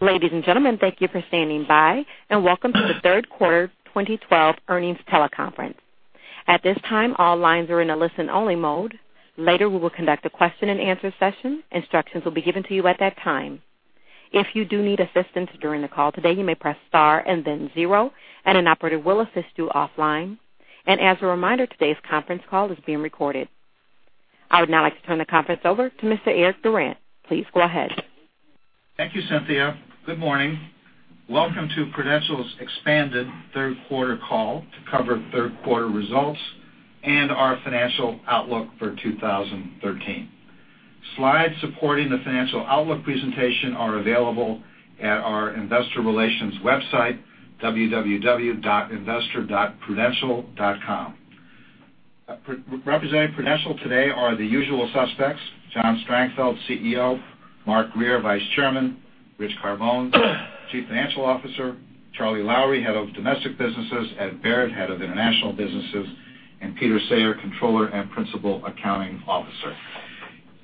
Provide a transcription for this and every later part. Ladies and gentlemen, thank you for standing by, welcome to the third quarter 2012 earnings teleconference. At this time, all lines are in a listen only mode. Later, we will conduct a question and answer session. Instructions will be given to you at that time. If you do need assistance during the call today, you may press star and then zero, and an operator will assist you offline. As a reminder, today's conference call is being recorded. I would now like to turn the conference over to Mr. Eric Durant. Please go ahead. Thank you, Cynthia. Good morning. Welcome to Prudential's expanded third quarter call to cover third quarter results and our financial outlook for 2013. Slides supporting the financial outlook presentation are available at our investor relations website, www.investor.prudential.com. Representing Prudential today are the usual suspects, John Strangfeld, CEO; Mark Grier, Vice Chairman; Rich Carbone, Chief Financial Officer; Charlie Lowrey, Head of Domestic Businesses; Ed Baird, Head of International Businesses, and Peter Sayre, Controller and Principal Accounting Officer.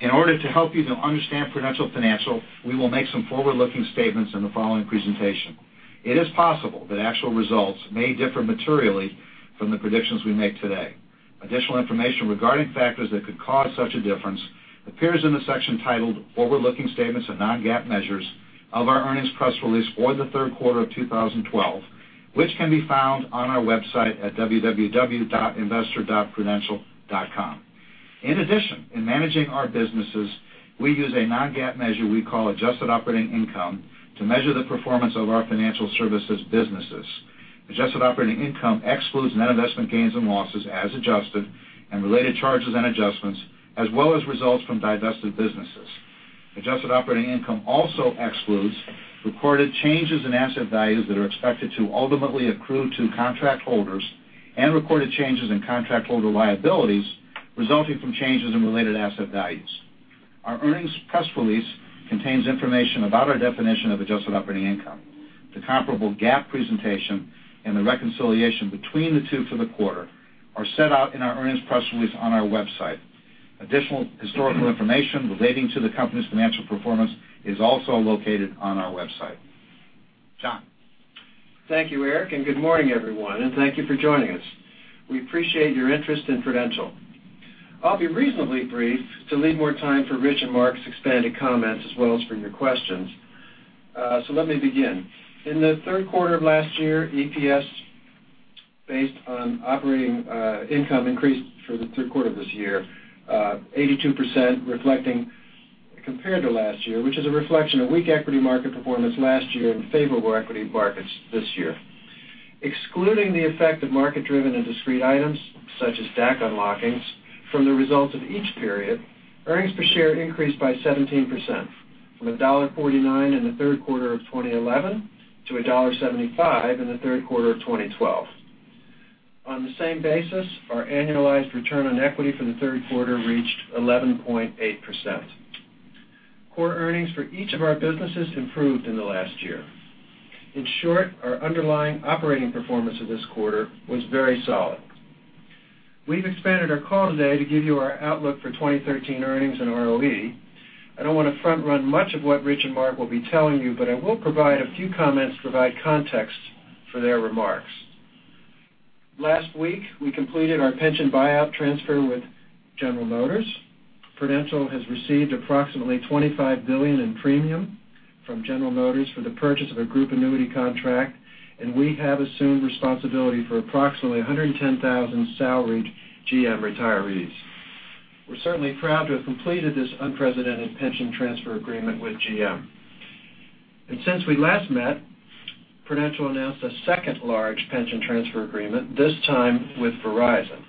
In order to help you to understand Prudential Financial, we will make some forward-looking statements in the following presentation. It is possible that actual results may differ materially from the predictions we make today. Additional information regarding factors that could cause such a difference appears in the section titled "Forward-Looking Statements of Non-GAAP Measures" of our earnings press release for the third quarter of 2012, which can be found on our website at www.investor.prudential.com. In addition, in managing our businesses, we use a non-GAAP measure we call adjusted operating income to measure the performance of our financial services businesses. Adjusted operating income excludes net investment gains and losses as adjusted and related charges and adjustments, as well as results from divested businesses. Adjusted operating income also excludes recorded changes in asset values that are expected to ultimately accrue to contract holders and recorded changes in contract holder liabilities resulting from changes in related asset values. Our earnings press release contains information about our definition of adjusted operating income. The comparable GAAP presentation and the reconciliation between the two for the quarter are set out in our earnings press release on our website. Additional historical information relating to the company's financial performance is also located on our website. John. Thank you, Eric, and good morning, everyone, and thank you for joining us. We appreciate your interest in Prudential. I'll be reasonably brief to leave more time for Rich and Mark's expanded comments as well as for your questions. Let me begin. In the third quarter of last year, EPS based on operating income increased for the third quarter of this year, 82% compared to last year, which is a reflection of weak equity market performance last year and favorable equity markets this year. Excluding the effect of market driven and discrete items such as DAC unlockings from the results of each period, earnings per share increased by 17%, from $1.49 in the third quarter of 2011 to $1.75 in the third quarter of 2012. On the same basis, our annualized return on equity for the third quarter reached 11.8%. Core earnings for each of our businesses improved in the last year. In short, our underlying operating performance of this quarter was very solid. We've expanded our call today to give you our outlook for 2013 earnings and ROE. I don't want to front run much of what Rich and Mark will be telling you, but I will provide a few comments to provide context for their remarks. Last week, we completed our pension buyout transfer with General Motors. Prudential has received approximately $25 billion in premium from General Motors for the purchase of a group annuity contract, and we have assumed responsibility for approximately 110,000 salaried GM retirees. We're certainly proud to have completed this unprecedented pension transfer agreement with GM. Since we last met, Prudential announced a second large pension transfer agreement, this time with Verizon.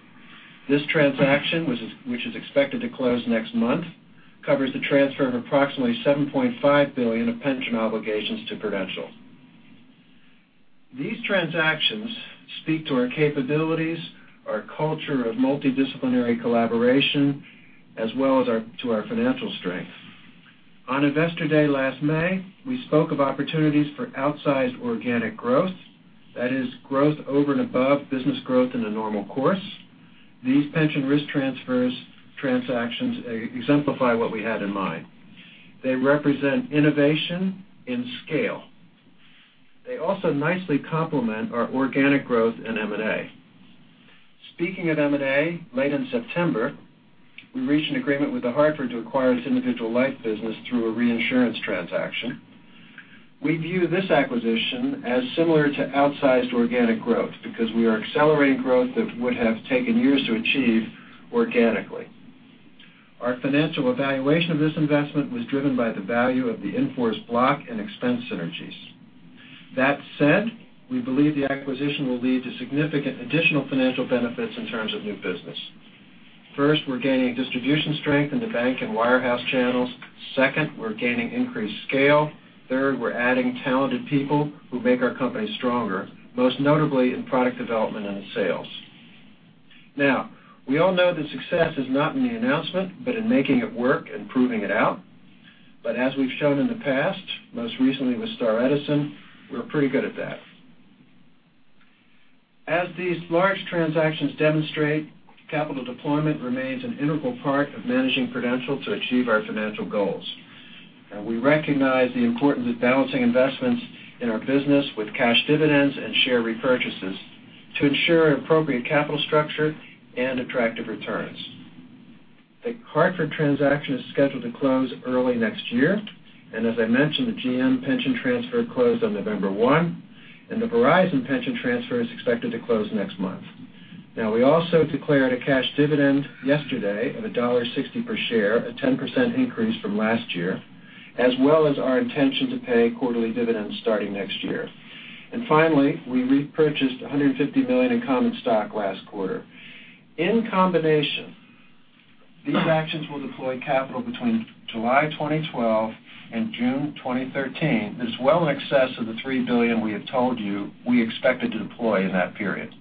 This transaction, which is expected to close next month, covers the transfer of approximately $7.5 billion of pension obligations to Prudential. These transactions speak to our capabilities, our culture of multidisciplinary collaboration, as well as to our financial strength. On Investor Day last May, we spoke of opportunities for outsized organic growth, that is, growth over and above business growth in a normal course. These pension risk transfers transactions exemplify what we had in mind. They represent innovation in scale. They also nicely complement our organic growth in M&A. Speaking of M&A, late in September, we reached an agreement with The Hartford to acquire its individual life business through a reinsurance transaction. We view this acquisition as similar to outsized organic growth because we are accelerating growth that would have taken years to achieve organically. Our financial evaluation of this investment was driven by the value of the in-force block and expense synergies. That said, we believe the acquisition will lead to significant additional financial benefits in terms of new business. First, we're gaining distribution strength in the bank and wirehouse channels. Second, we're gaining increased scale. Third, we're adding talented people who make our company stronger, most notably in product development and in sales. We all know that success is not in the announcement, but in making it work and proving it out. As we've shown in the past, most recently with Star Edison, we're pretty good at that. As these large transactions demonstrate, capital deployment remains an integral part of managing Prudential to achieve our financial goals. We recognize the importance of balancing investments in our business with cash dividends and share repurchases to ensure appropriate capital structure and attractive returns. The Hartford transaction is scheduled to close early next year, as I mentioned, the GM pension transfer closed on November 1, and the Verizon pension transfer is expected to close next month. We also declared a cash dividend yesterday of $1.60 per share, a 10% increase from last year, as well as our intention to pay quarterly dividends starting next year. Finally, we repurchased $150 million in common stock last quarter. In combination, these actions will deploy capital between July 2012 and June 2013, is well in excess of the $3 billion we have told you we expected to deploy in that period.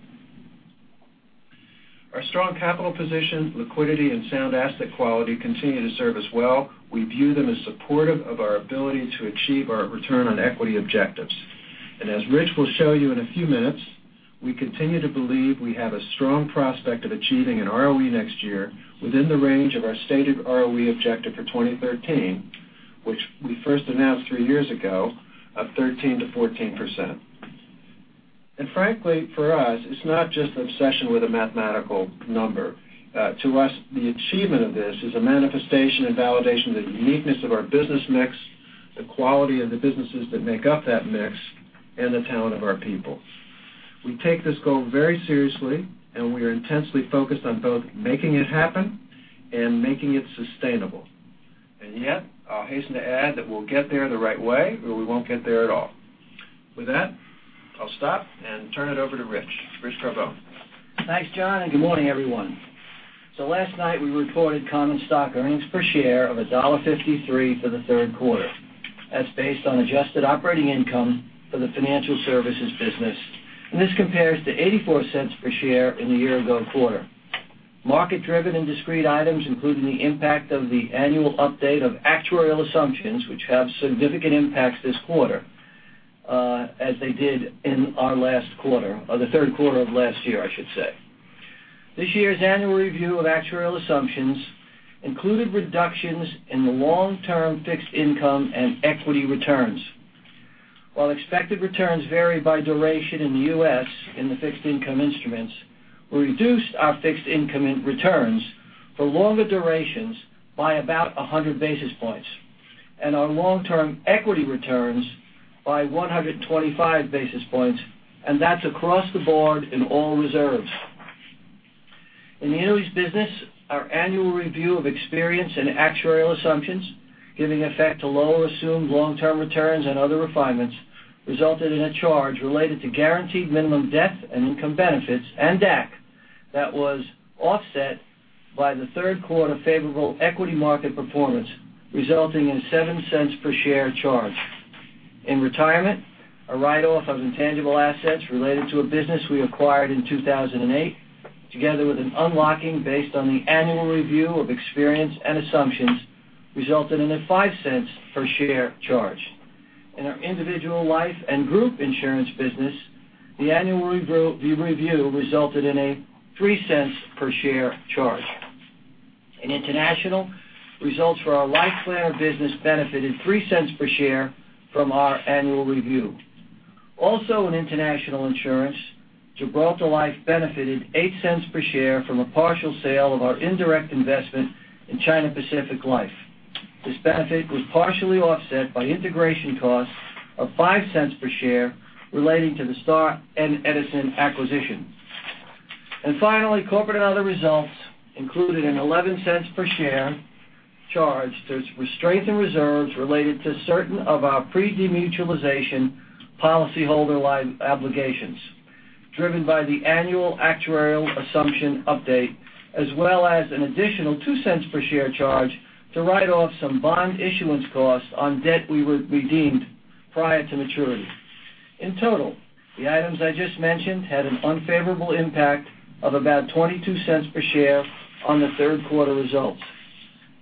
Our strong capital position, liquidity, and sound asset quality continue to serve us well. We view them as supportive of our ability to achieve our return on equity objectives. As Rich will show you in a few minutes, we continue to believe we have a strong prospect of achieving an ROE next year within the range of our stated ROE objective for 2013, which we first announced three years ago, of 13%-14%. Frankly, for us, it's not just an obsession with a mathematical number. To us, the achievement of this is a manifestation and validation of the uniqueness of our business mix, the quality of the businesses that make up that mix, and the talent of our people. We take this goal very seriously, and we are intensely focused on both making it happen and making it sustainable. Yet, I'll hasten to add that we'll get there the right way, or we won't get there at all. With that, I'll stop and turn it over to Rich. Rich Carbone. Thanks, John, and good morning, everyone. Last night we reported common stock earnings per share of $1.53 for the third quarter. That's based on adjusted operating income for the financial services business, and this compares to $0.84 per share in the year-ago quarter. Market-driven and discrete items, including the impact of the annual update of actuarial assumptions, which have significant impacts this quarter, as they did in our last quarter or the third quarter of last year, I should say. This year's annual review of actuarial assumptions included reductions in the long-term fixed income and equity returns. While expected returns vary by duration in the U.S. in the fixed income instruments, we reduced our fixed income in returns for longer durations by about 100 basis points and our long-term equity returns by 125 basis points, and that's across the board in all reserves. In the annuities business, our annual review of experience and actuarial assumptions, giving effect to lower assumed long-term returns and other refinements, resulted in a charge related to guaranteed minimum death and income benefits and DAC that was offset by the third quarter favorable equity market performance, resulting in a $0.07 per share charge. In retirement, a write-off of intangible assets related to a business we acquired in 2008, together with an unlocking based on the annual review of experience and assumptions, resulted in a $0.05 per share charge. In our individual life and group insurance business, the annual review resulted in a $0.03 per share charge. In international, results for our Life planner business benefited $0.03 per share from our annual review. Also, in international insurance, Gibraltar Life benefited $0.08 per share from a partial sale of our indirect investment in China Pacific Life. This benefit was partially offset by integration costs of $0.05 per share relating to the Star & Edison acquisition. Finally, corporate and other results included an $0.11 per share charge to strengthen reserves related to certain of our pre-demutualization policyholder life obligations, driven by the annual actuarial assumption update, as well as an additional $0.02 per share charge to write off some bond issuance costs on debt we redeemed prior to maturity. In total, the items I just mentioned had an unfavorable impact of about $0.22 per share on the third quarter results.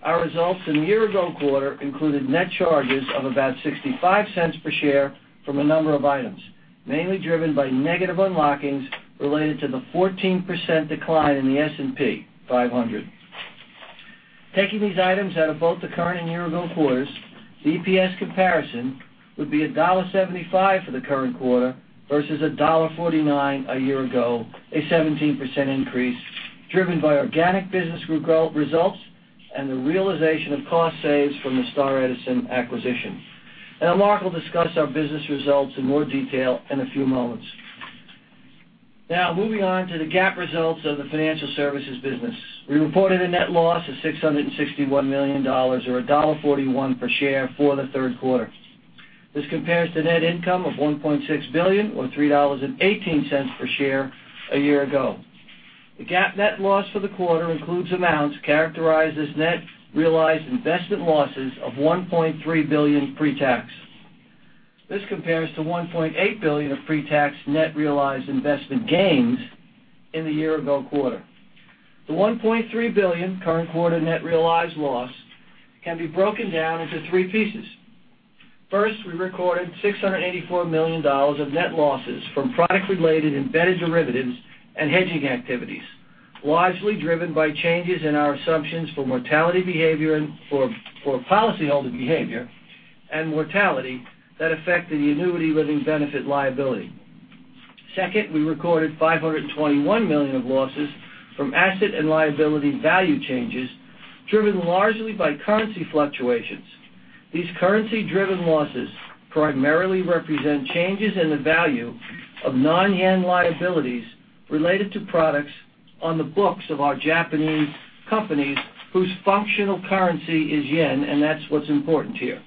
Our results in the year-ago quarter included net charges of about $0.65 per share from a number of items, mainly driven by negative unlockings related to the 14% decline in the S&P 500. Taking these items out of both the current and year-ago quarters, the EPS comparison would be $1.75 for the current quarter versus $1.49 a year ago, a 17% increase driven by organic business results and the realization of cost saves from the Star & Edison acquisition. Mark will discuss our business results in more detail in a few moments. Moving on to the GAAP results of the financial services business. We reported a net loss of $661 million, or $1.41 per share for the third quarter. This compares to net income of $1.6 billion, or $3.18 per share a year ago. The GAAP net loss for the quarter includes amounts characterized as net realized investment losses of $1.3 billion pre-tax. This compares to $1.8 billion of pre-tax net realized investment gains in the year-ago quarter. The $1.3 billion current quarter net realized loss can be broken down into three pieces. First, we recorded $684 million of net losses from product related embedded derivatives and hedging activities, largely driven by changes in our assumptions for mortality behavior and for policyholder behavior and mortality that affected the annuity living benefit liability. Second, we recorded $521 million of losses from asset and liability value changes, driven largely by currency fluctuations. These currency driven losses primarily represent changes in the value of non-JPY liabilities related to products on the books of our Japanese companies whose functional currency is JPY, and that's what's important here.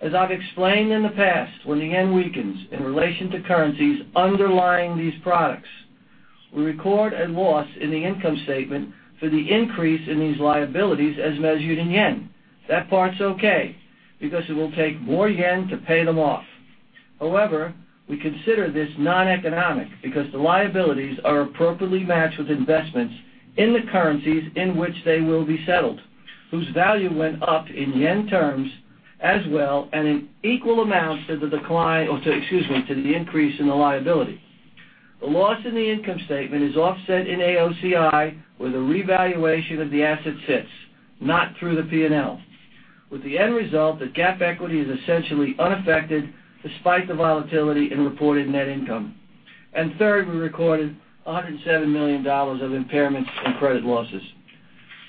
As I've explained in the past, when the JPY weakens in relation to currencies underlying these products, we record a loss in the income statement for the increase in these liabilities as measured in JPY. That part's okay because it will take more JPY to pay them off. However, we consider this non-economic because the liabilities are appropriately matched with investments in the currencies in which they will be settled, whose value went up in JPY terms as well and in equal amounts to the decline or to, excuse me, to the increase in the liability. The loss in the income statement is offset in AOCI where the revaluation of the asset sits, not through the P&L. With the end result that GAAP equity is essentially unaffected despite the volatility in reported net income. Third, we recorded $107 million of impairments and credit losses.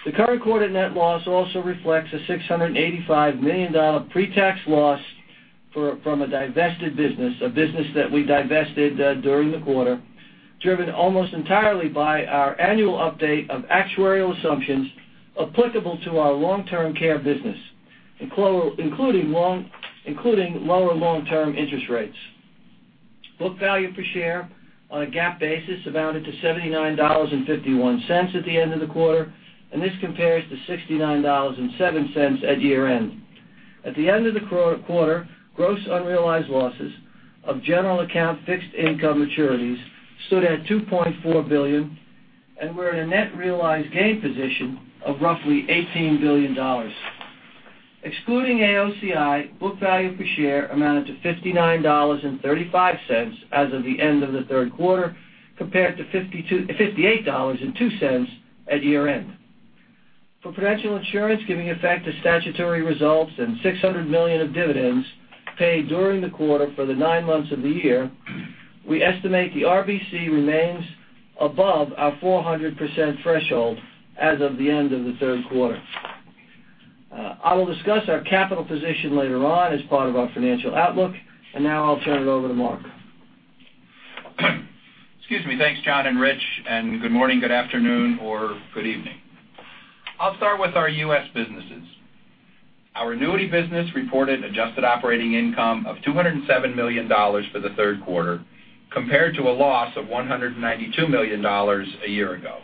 The current quarter net loss also reflects a $685 million pre-tax loss from a divested business, a business that we divested during the quarter, driven almost entirely by our annual update of actuarial assumptions applicable to our long-term care business, including lower long-term interest rates. Book value per share on a GAAP basis amounted to $79.51 at the end of the quarter. This compares to $69.07 at year end. At the end of the quarter, gross unrealized losses of general account fixed income maturities stood at $2.4 billion and were in a net realized gain position of roughly $18 billion. Excluding AOCI, book value per share amounted to $59.35 as of the end of the third quarter, compared to $58.02 at year end. For Prudential insurance, giving effect to statutory results and $600 million of dividends paid during the quarter for the nine months of the year, we estimate the RBC remains above our 400% threshold as of the end of the third quarter. I will discuss our capital position later on as part of our financial outlook. Now I'll turn it over to Mark. Excuse me. Thanks, John and Rich, and good morning, good afternoon, or good evening. I'll start with our U.S. businesses. Our annuity business reported adjusted operating income of $207 million for the third quarter compared to a loss of $192 million a year ago.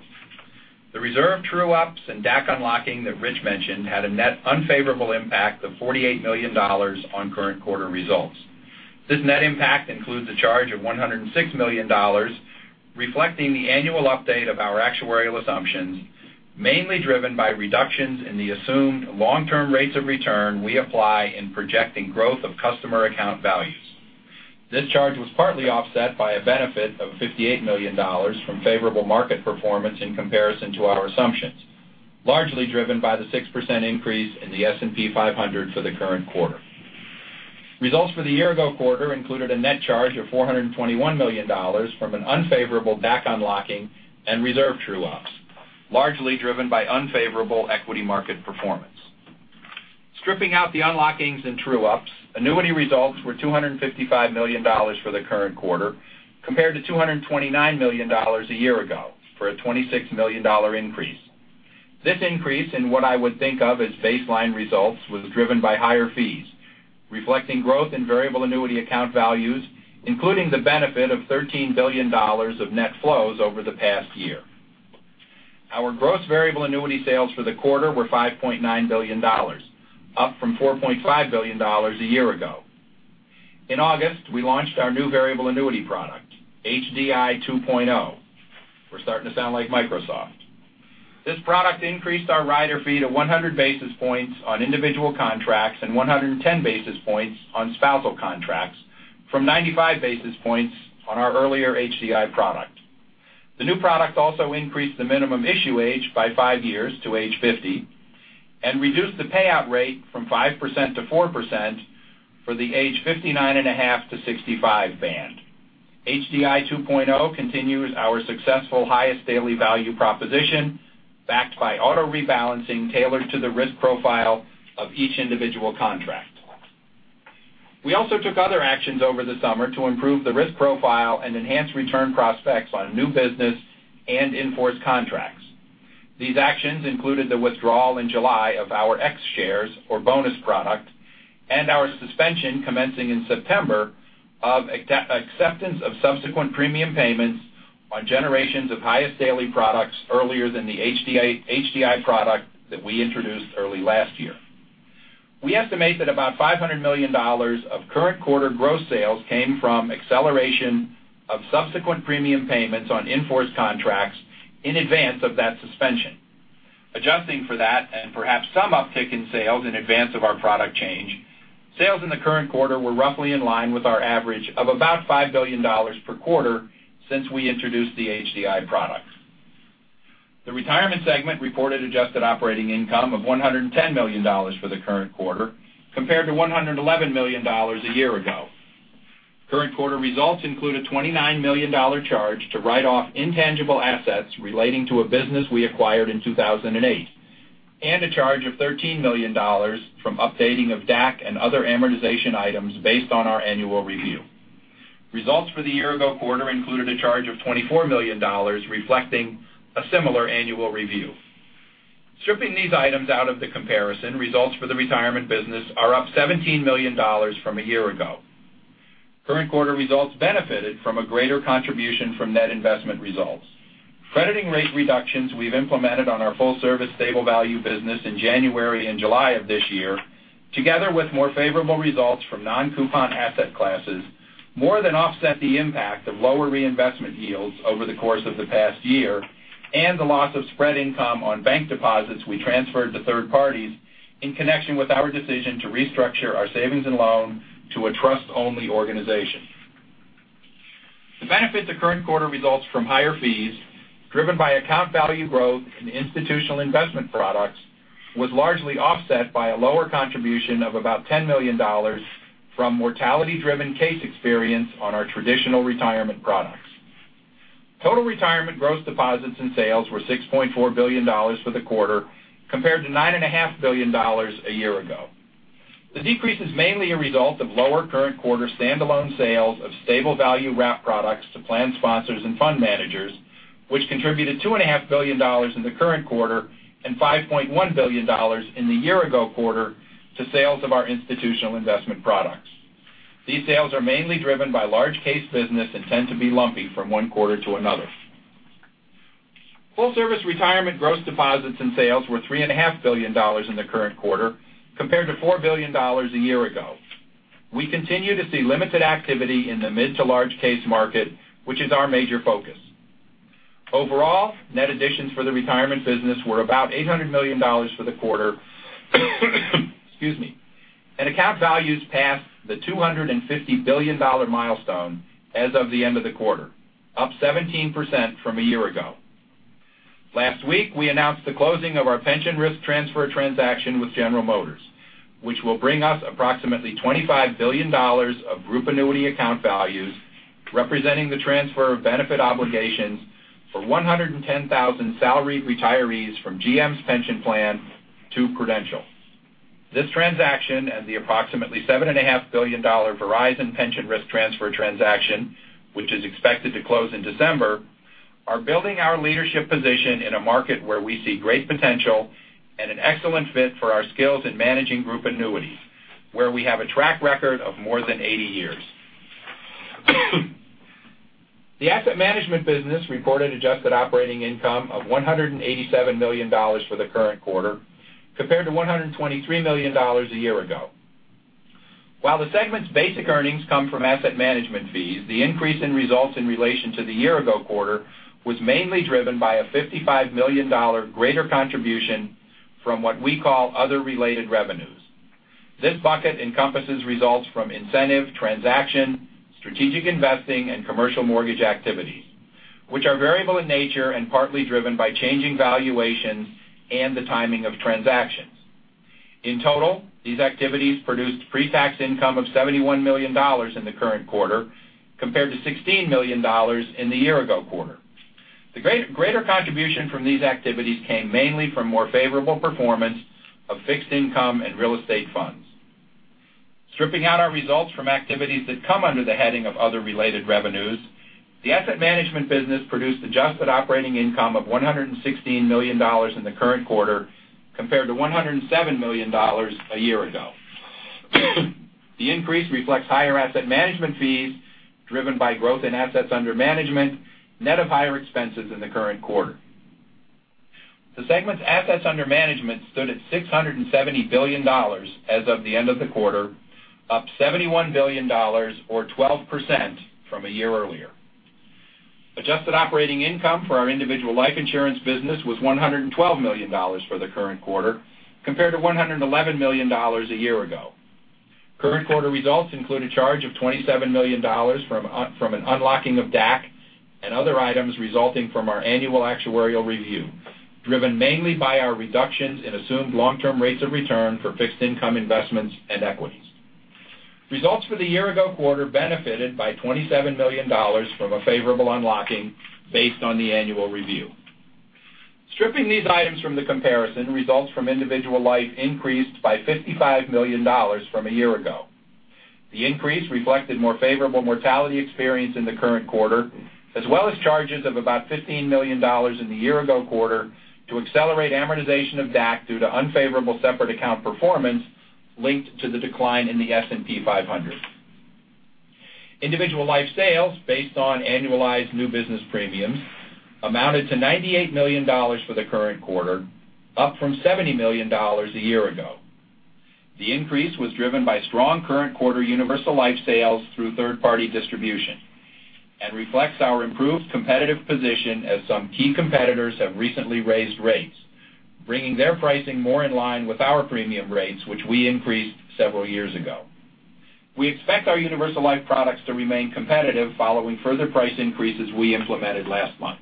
The reserve true-ups and DAC unlocking that Rich mentioned had a net unfavorable impact of $48 million on current quarter results. This net impact includes a charge of $106 million, reflecting the annual update of our actuarial assumptions, mainly driven by reductions in the assumed long-term rates of return we apply in projecting growth of customer account values. This charge was partly offset by a benefit of $58 million from favorable market performance in comparison to our assumptions, largely driven by the 6% increase in the S&P 500 for the current quarter. Results for the year ago quarter included a net charge of $421 million from an unfavorable DAC unlocking and reserve true-ups, largely driven by unfavorable equity market performance. Stripping out the unlockings and true-ups, annuity results were $255 million for the current quarter compared to $229 million a year ago for a $26 million increase. This increase in what I would think of as baseline results was driven by higher fees, reflecting growth in variable annuity account values, including the benefit of $13 billion of net flows over the past year. Our gross variable annuity sales for the quarter were $5.9 billion, up from $4.5 billion a year ago. In August, we launched our new variable annuity product, HDI 2.0. We're starting to sound like Microsoft. This product increased our rider fee to 100 basis points on individual contracts and 110 basis points on spousal contracts from 95 basis points on our earlier HDI product. The new product also increased the minimum issue age by five years to age 50 and reduced the payout rate from 5% to 4% for the age 59 and a half to 65 band. HDI 2.0 continues our successful Highest Daily value proposition backed by auto rebalancing tailored to the risk profile of each individual contract. We also took other actions over the summer to improve the risk profile and enhance return prospects on new business and in force contracts. These actions included the withdrawal in July of our X shares or bonus product and our suspension commencing in September of acceptance of subsequent premium payments on generations of Highest Daily products earlier than the HDI product that we introduced early last year. We estimate that about $500 million of current quarter gross sales came from acceleration of subsequent premium payments on in force contracts in advance of that suspension. Adjusting for that and perhaps some uptick in sales in advance of our product change, sales in the current quarter were roughly in line with our average of about $5 billion per quarter since we introduced the HDI products. The Retirement segment reported adjusted operating income of $110 million for the current quarter, compared to $111 million a year ago. Current quarter results include a $29 million charge to write off intangible assets relating to a business we acquired in 2008, and a charge of $13 million from updating of DAC and other amortization items based on our annual review. Results for the year ago quarter included a charge of $24 million, reflecting a similar annual review. Stripping these items out of the comparison, results for the Retirement business are up $17 million from a year ago. Current quarter results benefited from a greater contribution from net investment results. Crediting rate reductions we've implemented on our full service Stable Value business in January and July of this year, together with more favorable results from non-coupon asset classes, more than offset the impact of lower reinvestment yields over the course of the past year, and the loss of spread income on bank deposits we transferred to third parties in connection with our decision to restructure our savings and loan to a trust-only organization. The benefit to current quarter results from higher fees, driven by account value growth in institutional investment products, was largely offset by a lower contribution of about $10 million from mortality-driven case experience on our traditional Retirement products. Total Retirement gross deposits and sales were $6.4 billion for the quarter, compared to $9.5 billion a year ago. The decrease is mainly a result of lower current quarter standalone sales of Stable Value wrap products to plan sponsors and fund managers, which contributed $2.5 billion in the current quarter and $5.1 billion in the year ago quarter to sales of our institutional investment products. These sales are mainly driven by large case business and tend to be lumpy from one quarter to another. Full service Retirement gross deposits and sales were $3.5 billion in the current quarter compared to $4 billion a year ago. We continue to see limited activity in the mid to large case market, which is our major focus. Overall, net additions for the Retirement business were about $800 million for the quarter. Excuse me. Account values passed the $250 billion milestone as of the end of the quarter, up 17% from a year ago. Last week, we announced the closing of our pension risk transfer transaction with General Motors, which will bring us approximately $25 billion of group annuity account values, representing the transfer of benefit obligations for 110,000 salaried retirees from GM's pension plan to Prudential. This transaction and the approximately $7.5 billion Verizon pension risk transfer transaction, which is expected to close in December, are building our leadership position in a market where we see great potential and an excellent fit for our skills in managing group annuities, where we have a track record of more than 80 years. The Asset Management business reported adjusted operating income of $187 million for the current quarter, compared to $123 million a year ago. While the segment's basic earnings come from asset management fees, the increase in results in relation to the year ago quarter was mainly driven by a $55 million greater contribution from what we call other related revenues. This bucket encompasses results from incentive, transaction, strategic investing, and commercial mortgage activities, which are variable in nature and partly driven by changing valuations and the timing of transactions. In total, these activities produced pre-tax income of $71 million in the current quarter, compared to $16 million in the year ago quarter. The greater contribution from these activities came mainly from more favorable performance of fixed income and real estate funds. Stripping out our results from activities that come under the heading of other related revenues, the Asset Management business produced adjusted operating income of $116 million in the current quarter compared to $107 million a year ago. The increase reflects higher asset management fees driven by growth in assets under management, net of higher expenses in the current quarter. The segment's assets under management stood at $670 billion as of the end of the quarter, up $71 billion or 12% from a year earlier. Adjusted operating income for our Individual Life insurance business was $112 million for the current quarter, compared to $111 million a year ago. Current quarter results include a charge of $27 million from an unlocking of DAC and other items resulting from our annual actuarial review, driven mainly by our reductions in assumed long term rates of return for fixed income investments and equities. Results for the year ago quarter benefited by $27 million from a favorable unlocking based on the annual review. Stripping these items from the comparison, results from Individual Life increased by $55 million from a year ago. The increase reflected more favorable mortality experience in the current quarter, as well as charges of about $15 million in the year ago quarter to accelerate amortization of DAC due to unfavorable separate account performance linked to the decline in the S&P 500. Individual Life sales based on annualized new business premiums amounted to $98 million for the current quarter, up from $70 million a year ago. The increase was driven by strong current quarter universal life sales through third-party distribution and reflects our improved competitive position as some key competitors have recently raised rates, bringing their pricing more in line with our premium rates, which we increased several years ago. We expect our universal life products to remain competitive following further price increases we implemented last month.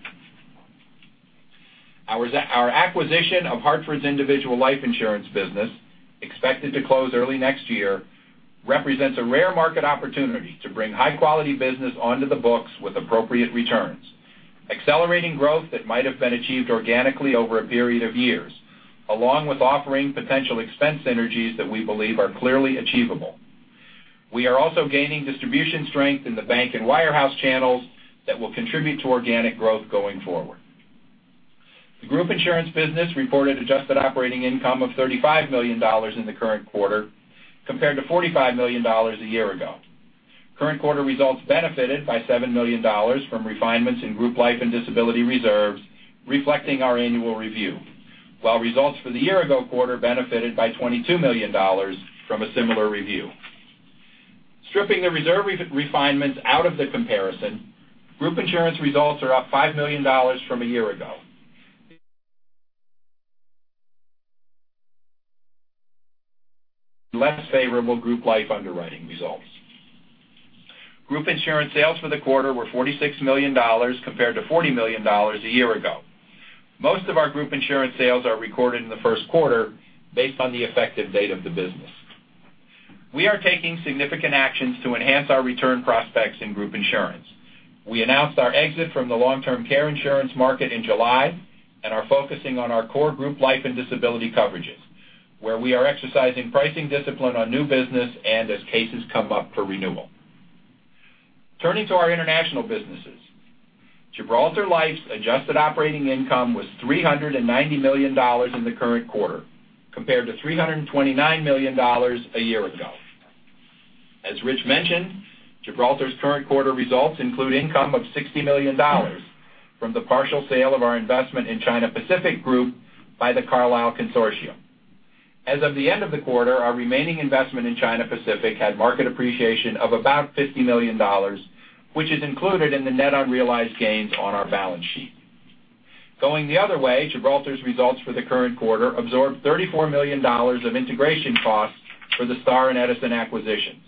Our acquisition of The Hartford's individual life insurance business, expected to close early next year, represents a rare market opportunity to bring high-quality business onto the books with appropriate returns, accelerating growth that might have been achieved organically over a period of years, along with offering potential expense synergies that we believe are clearly achievable. We are also gaining distribution strength in the bank and wirehouse channels that will contribute to organic growth going forward. The group insurance business reported adjusted operating income of $35 million in the current quarter, compared to $45 million a year ago. Current quarter results benefited by $7 million from refinements in group life and disability reserves reflecting our annual review, while results for the year ago quarter benefited by $22 million from a similar review. Stripping the reserve refinements out of the comparison, group insurance results are up $5 million from a year ago. Less favorable group life underwriting results. Group insurance sales for the quarter were $46 million compared to $40 million a year ago. Most of our group insurance sales are recorded in the first quarter based on the effective date of the business. We are taking significant actions to enhance our return prospects in group insurance. We announced our exit from the long-term care insurance market in July and are focusing on our core group life and disability coverages, where we are exercising pricing discipline on new business and as cases come up for renewal. Turning to our international businesses. Gibraltar Life's adjusted operating income was $390 million in the current quarter compared to $329 million a year ago. As Rich mentioned, Gibraltar's current quarter results include income of $60 million from the partial sale of our investment in China Pacific Group by The Carlyle consortium. As of the end of the quarter, our remaining investment in China Pacific had market appreciation of about $50 million, which is included in the net unrealized gains on our balance sheet. Going the other way, Gibraltar's results for the current quarter absorbed $34 million of integration costs for the Star & Edison acquisitions.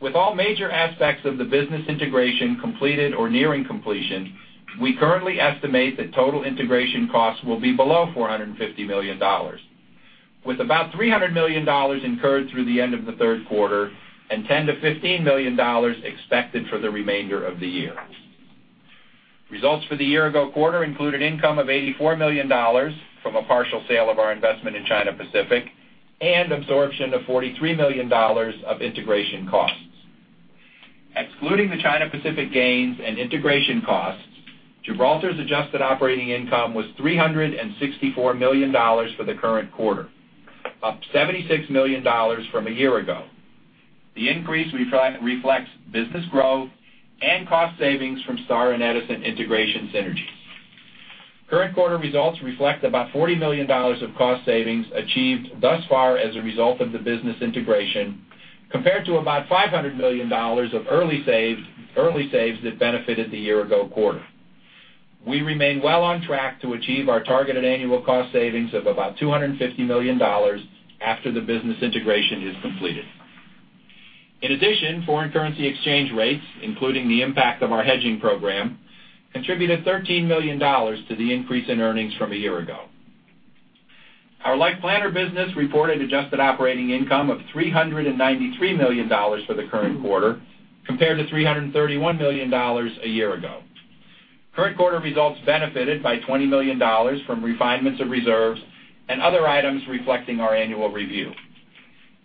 With all major aspects of the business integration completed or nearing completion, we currently estimate that total integration costs will be below $450 million, with about $300 million incurred through the end of the third quarter and $10 million-$15 million expected for the remainder of the year. Results for the year ago quarter included income of $84 million from a partial sale of our investment in China Pacific and absorption of $43 million of integration costs. Excluding the China Pacific gains and integration costs, Gibraltar's adjusted operating income was $364 million for the current quarter, up $76 million from a year ago. The increase reflects business growth and cost savings from Star & Edison integration synergies. Current quarter results reflect about $40 million of cost savings achieved thus far as a result of the business integration, compared to about $500 million of early saves that benefited the year ago quarter. We remain well on track to achieve our targeted annual cost savings of about $250 million after the business integration is completed. In addition, foreign currency exchange rates, including the impact of our hedging program, contributed $13 million to the increase in earnings from a year ago. Our Life Planner business reported adjusted operating income of $393 million for the current quarter, compared to $331 million a year ago. Current quarter results benefited by $20 million from refinements of reserves and other items reflecting our annual review.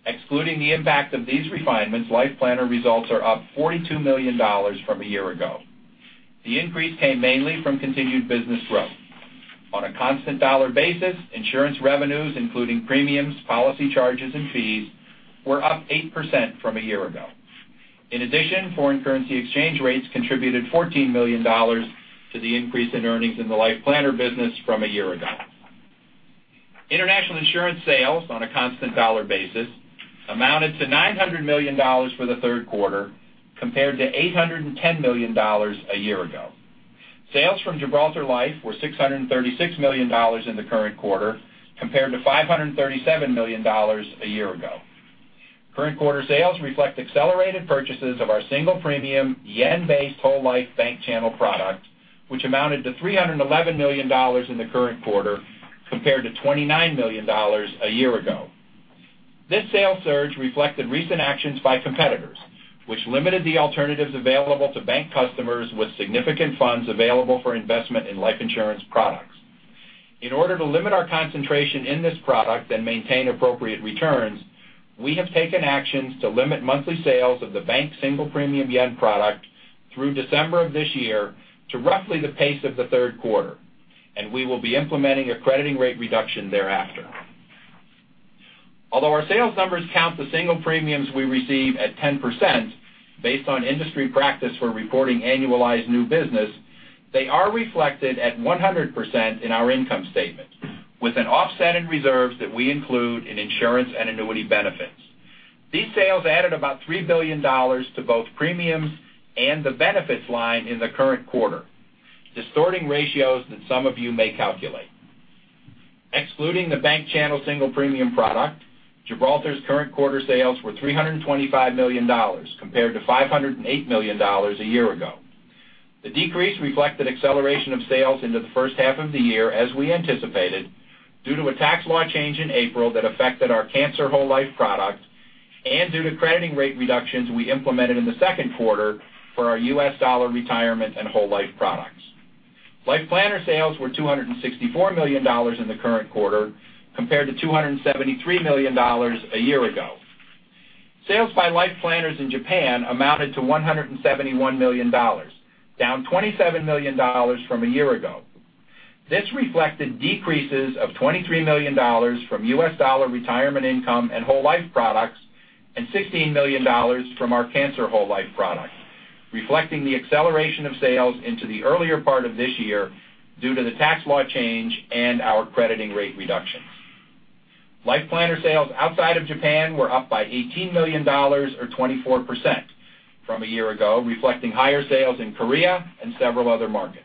Excluding the impact of these refinements, Life Planner results are up $42 million from a year ago. The increase came mainly from continued business growth. On a constant dollar basis, insurance revenues, including premiums, policy charges, and fees, were up 8% from a year ago. In addition, foreign currency exchange rates contributed $14 million to the increase in earnings in the Life Planner business from a year ago. International insurance sales, on a constant dollar basis, amounted to $900 million for the third quarter compared to $810 million a year ago. Sales from Gibraltar Life were $636 million in the current quarter compared to $537 million a year ago. Current quarter sales reflect accelerated purchases of our single premium, yen-based whole life bank channel product, which amounted to $311 million in the current quarter compared to $29 million a year ago. This sales surge reflected recent actions by competitors, which limited the alternatives available to bank customers with significant funds available for investment in life insurance products. In order to limit our concentration in this product and maintain appropriate returns, we have taken actions to limit monthly sales of the bank single premium yen product through December of this year to roughly the pace of the third quarter, and we will be implementing a crediting rate reduction thereafter. Although our sales numbers count the single premiums we receive at 10% Based on industry practice for reporting annualized new business, they are reflected at 100% in our income statement, with an offset in reserves that we include in insurance and annuity benefits. These sales added about $3 billion to both premiums and the benefits line in the current quarter, distorting ratios that some of you may calculate. Excluding the bank channel single premium product, Gibraltar's current quarter sales were $325 million, compared to $508 million a year ago. The decrease reflected acceleration of sales into the first half of the year, as we anticipated, due to a tax law change in April that affected our cancer whole life product and due to crediting rate reductions we implemented in the second quarter for our US dollar retirement and whole life products. Life planner sales were $264 million in the current quarter compared to $273 million a year ago. Sales by life planners in Japan amounted to $171 million, down $27 million from a year ago. This reflected decreases of $23 million from US dollar retirement income and whole life products and $16 million from our cancer whole life product, reflecting the acceleration of sales into the earlier part of this year due to the tax law change and our crediting rate reduction. Life planner sales outside of Japan were up by $18 million, or 24%, from a year ago, reflecting higher sales in Korea and several other markets.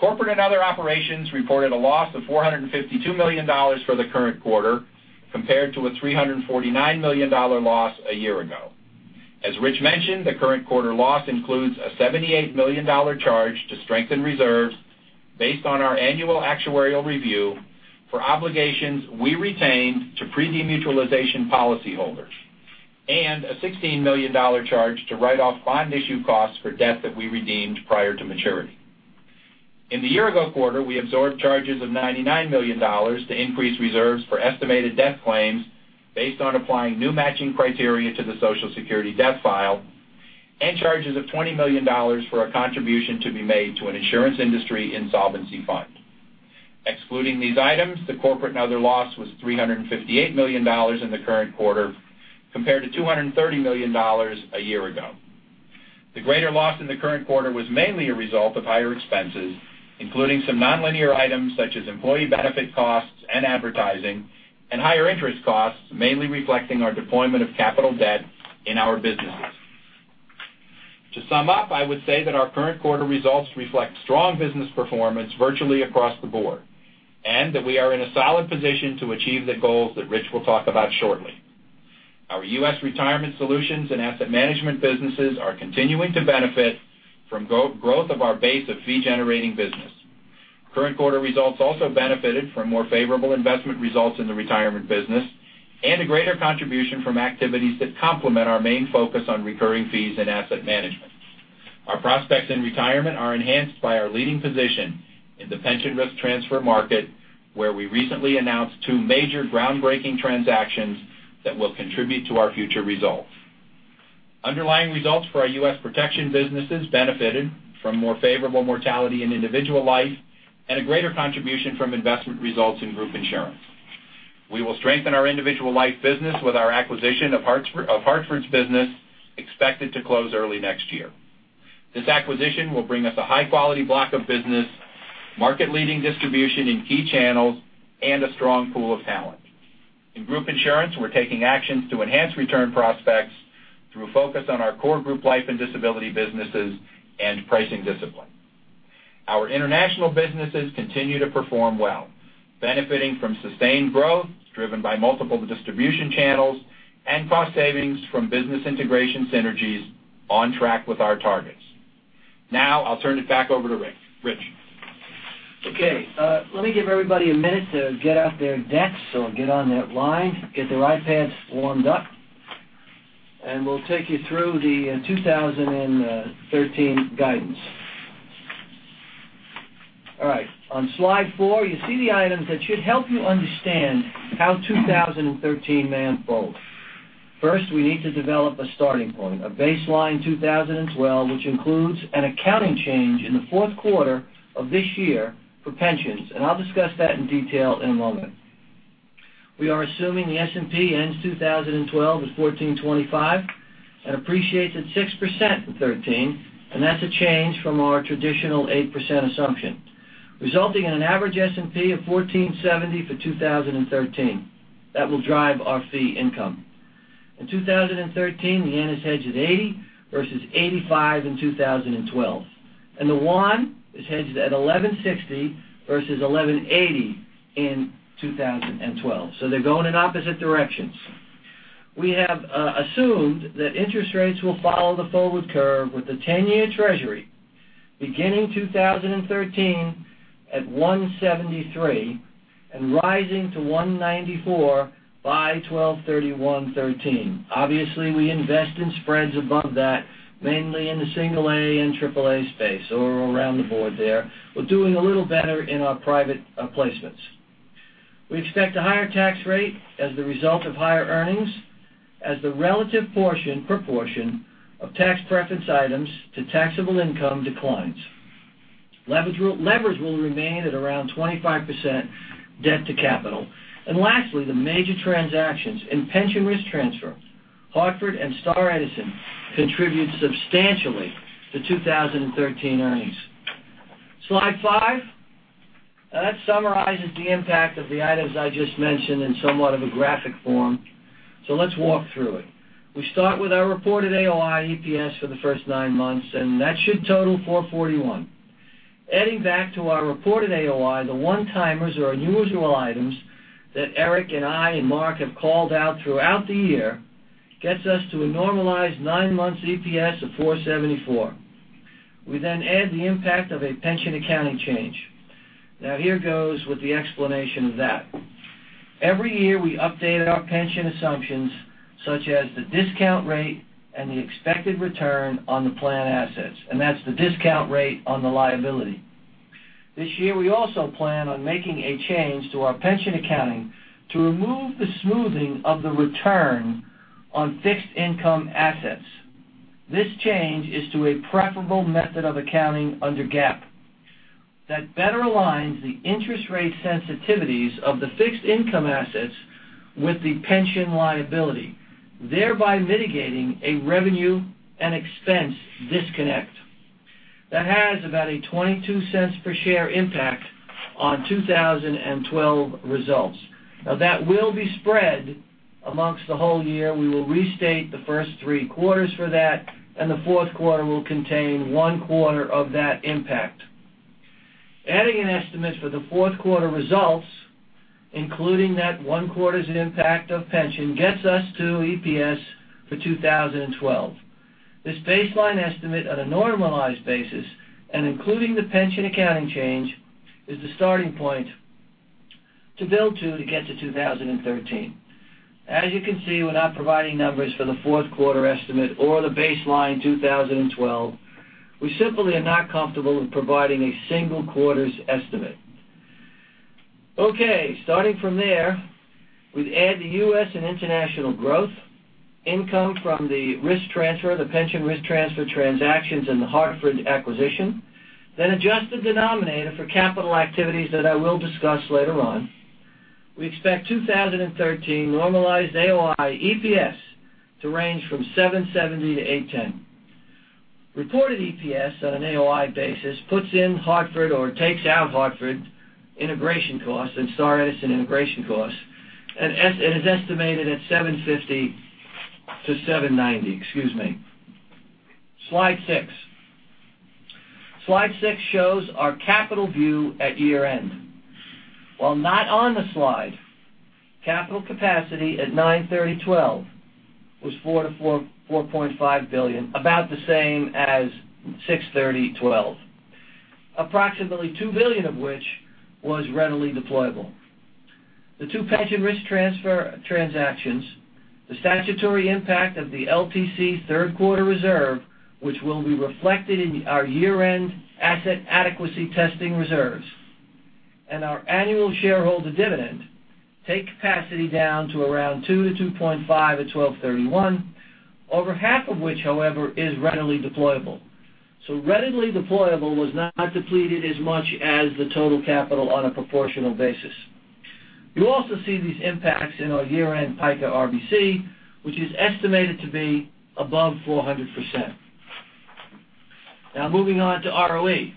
Corporate and other operations reported a loss of $452 million for the current quarter, compared to a $349 million loss a year ago. As Rich mentioned, the current quarter loss includes a $78 million charge to strengthen reserves based on our annual actuarial review for obligations we retained to pre-demutualization policyholders and a $16 million charge to write off bond issue costs for debt that we redeemed prior to maturity. In the year-ago quarter, we absorbed charges of $99 million to increase reserves for estimated death claims, based on applying new matching criteria to the Social Security death file, and charges of $20 million for a contribution to be made to an insurance industry insolvency fund. Excluding these items, the corporate and other loss was $358 million in the current quarter compared to $230 million a year ago. The greater loss in the current quarter was mainly a result of higher expenses, including some nonlinear items such as employee benefit costs and advertising and higher interest costs, mainly reflecting our deployment of capital debt in our businesses. To sum up, I would say that our current quarter results reflect strong business performance virtually across the board. That we are in a solid position to achieve the goals that Rich will talk about shortly. Our U.S. retirement solutions and asset management businesses are continuing to benefit from growth of our base of fee-generating business. Current quarter results also benefited from more favorable investment results in the retirement business and a greater contribution from activities that complement our main focus on recurring fees and asset management. Our prospects in retirement are enhanced by our leading position in the pension risk transfer market, where we recently announced two major groundbreaking transactions that will contribute to our future results. Underlying results for our U.S. protection businesses benefited from more favorable mortality in individual life and a greater contribution from investment results in group insurance. We will strengthen our individual life business with our acquisition of Hartford's business, expected to close early next year. This acquisition will bring us a high-quality block of business, market-leading distribution in key channels, and a strong pool of talent. In group insurance, we're taking actions to enhance return prospects through a focus on our core group life and disability businesses and pricing discipline. Our international businesses continue to perform well, benefiting from sustained growth driven by multiple distribution channels and cost savings from business integration synergies on track with our targets. I'll turn it back over to Rich. Okay. Let me give everybody a minute to get out their decks or get on that line, get their iPads warmed up, and we'll take you through the 2013 guidance. All right. On slide four, you see the items that should help you understand how 2013 may unfold. First, we need to develop a starting point, a baseline 2012, which includes an accounting change in the fourth quarter of this year for pensions, and I'll discuss that in detail in a moment. We are assuming the S&P ends 2012 with 1,425 and appreciates at 6% in 2013, and that's a change from our traditional 8% assumption, resulting in an average S&P of 1,470 for 2013. That will drive our fee income. In 2013, the annuities hedge is 80 versus 85 in 2012. The won is hedged at 1160 versus 1180 in 2012. They're going in opposite directions. We have assumed that interest rates will follow the forward curve with the 10-year Treasury beginning 2013 at 173 and rising to 194 by 12/31/2013. Obviously, we invest in spreads above that, mainly in the single-A and triple-A space or around the board there. We're doing a little better in our private placements. We expect a higher tax rate as the result of higher earnings, as the relative proportion of tax preference items to taxable income declines. Levers will remain at around 25% debt to capital. Lastly, the major transactions in pension risk transfers, Hartford and Star & Edison contribute substantially to 2013 earnings. Slide five. That summarizes the impact of the items I just mentioned in somewhat of a graphic form. Let's walk through it. We start with our reported AOI EPS for the first nine months, and that should total 441. Adding back to our reported AOI, the one-timers or unusual items that Eric and I and Mark have called out throughout the year gets us to a normalized nine months EPS of 474. We add the impact of a pension accounting change. Here goes with the explanation of that. Every year, we updated our pension assumptions such as the discount rate and the expected return on the plan assets, and that's the discount rate on the liability. This year, we also plan on making a change to our pension accounting to remove the smoothing of the return on fixed income assets. This change is to a preferable method of accounting under GAAP that better aligns the interest rate sensitivities of the fixed income assets with the pension liability, thereby mitigating a revenue and expense disconnect that has about a $0.22 per share impact on 2012 results. That will be spread amongst the whole year. We will restate the first three quarters for that, and the fourth quarter will contain one quarter of that impact. Adding in estimates for the fourth quarter results, including that one quarter's impact of pension, gets us to EPS for 2012. This baseline estimate on a normalized basis and including the pension accounting change, is the starting point to build to get to 2013. As you can see, we are not providing numbers for the fourth quarter estimate or the baseline 2012. We simply are not comfortable with providing a single quarter's estimate. Starting from there, we would add the U.S. and international growth, income from the risk transfer, the pension risk transfer transactions, and the Hartford acquisition, then adjust the denominator for capital activities that I will discuss later on. We expect 2013 normalized AOI EPS to range from $7.70-$8.10. Reported EPS on an AOI basis puts in Hartford or takes out Hartford integration costs and Star & Edison integration costs, and is estimated at $7.50-$7.90. Excuse me. Slide six. Slide six shows our capital view at year-end. While not on the slide, capital capacity at 9/30/2012 was $4 billion-$4.5 billion, about the same as 6/30/2012. Approximately $2 billion of which was readily deployable. The two pension risk transfer transactions, the statutory impact of the LTC third quarter reserve, which will be reflected in our year-end asset adequacy testing reserves, and our annual shareholder dividend take capacity down to around $2 billion-$2.5 billion at 12/31/2012, over half of which, however, is readily deployable. Readily deployable was not depleted as much as the total capital on a proportional basis. You also see these impacts in our year-end PICA RBC, which is estimated to be above 400%. Moving on to ROE.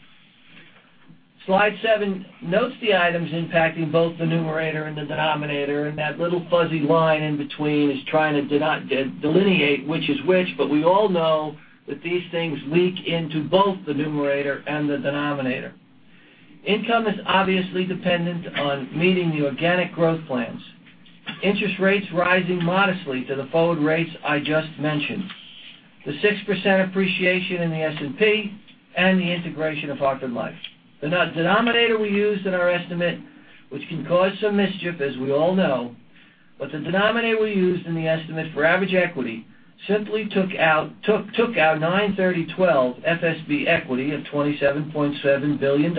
Slide seven notes the items impacting both the numerator and the denominator, and that little fuzzy line in between is trying to delineate which is which, but we all know that these things leak into both the numerator and the denominator. Income is obviously dependent on meeting the organic growth plans, interest rates rising modestly to the forward rates I just mentioned, the 6% appreciation in the S&P, and the integration of Hartford Life. The denominator we used in our estimate, which can cause some mischief, as we all know, but the denominator we used in the estimate for average equity simply took our 9/30/2012 FSB equity of $27.7 billion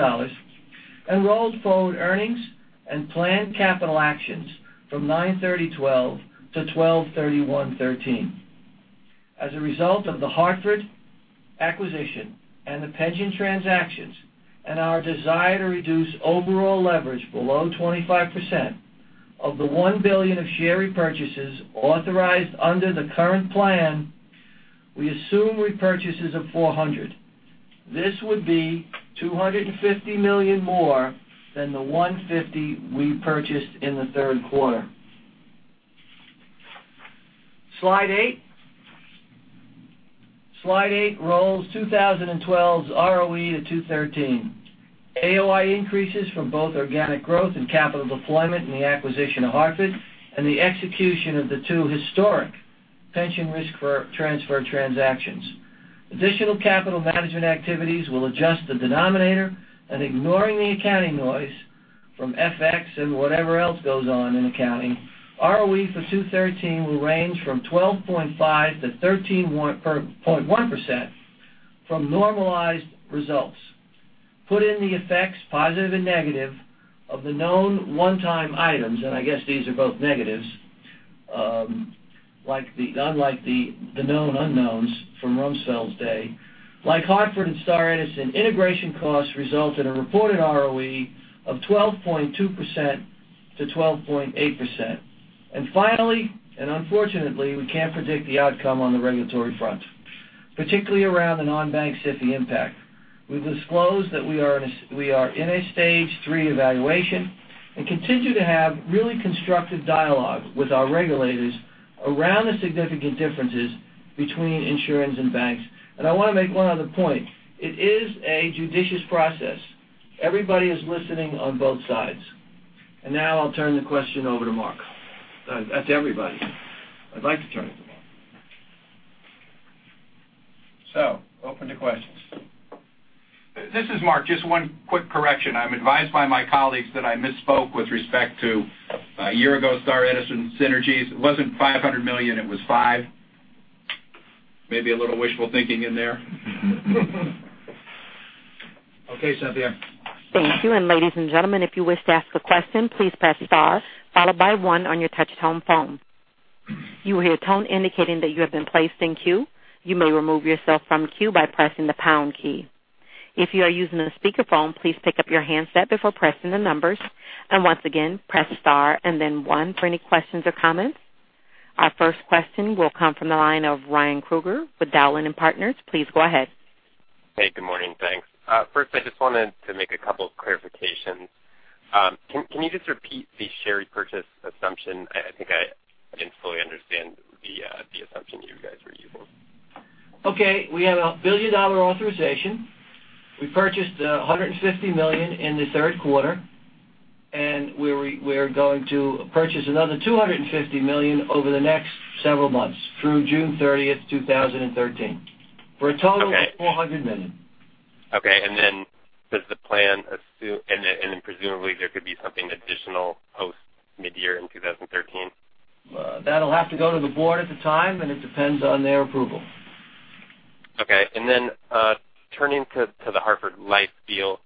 and rolled forward earnings and planned capital actions from 9/30/2012 to 12/31/2013. As a result of the Hartford acquisition and the pension transactions and our desire to reduce overall leverage below 25% of the $1 billion of share repurchases authorized under the current plan, we assume repurchases of $400 million. This would be $250 million more than the $150 million we purchased in the third quarter. Slide eight. Slide eight rolls 2012's ROE to 2013. AOI increases from both organic growth and capital deployment in the acquisition of Hartford and the execution of the two historic pension risk transfer transactions. Additional capital management activities will adjust the denominator and ignoring the accounting noise from FX and whatever else goes on in accounting, ROE for 2013 will range from 12.5%-13.1% from normalized results. Put in the effects, positive and negative, of the known one-time items, and I guess these are both negatives. Unlike the known unknowns from Rumsfeld's day, like Hartford and Star & Edison, integration costs result in a reported ROE of 12.2%-12.8%. Finally, unfortunately, we can't predict the outcome on the regulatory front, particularly around the non-bank SIFI impact. We've disclosed that we are in a stage 3 evaluation and continue to have really constructive dialogue with our regulators around the significant differences between insurance and banks. I want to make one other point. It is a judicious process. Everybody is listening on both sides. Now I'll turn the question over to Mark. That's everybody. I'd like to turn it to Mark. Open to questions. This is Mark. Just one quick correction. I'm advised by my colleagues that I misspoke with respect to a year ago, Star & Edison synergies. It wasn't $500 million, it was $5 million. Maybe a little wishful thinking in there. Okay, Cynthia. Thank you. Ladies and gentlemen, if you wish to ask a question, please press star followed by one on your touch tone phone. You will hear a tone indicating that you have been placed in queue. You may remove yourself from queue by pressing the pound key. If you are using a speakerphone, please pick up your handset before pressing the numbers, once again, press star and then one for any questions or comments. Our first question will come from the line of Ryan Krueger with Dowling & Partners. Please go ahead. Hey, good morning. Thanks. First, I just wanted to make a couple of clarifications. Can you just repeat the share repurchase assumption? I think I didn't fully understand the assumption you guys were using. Okay. We have a billion-dollar authorization. We purchased $150 million in the third quarter. We're going to purchase another $250 million over the next several months through June 30th, 2013 for a total of $400 million. Okay. Presumably there could be something additional post mid-year in 2013? That'll have to go to the board at the time. It depends on their approval. Okay. Turning to the Hartford Life deal,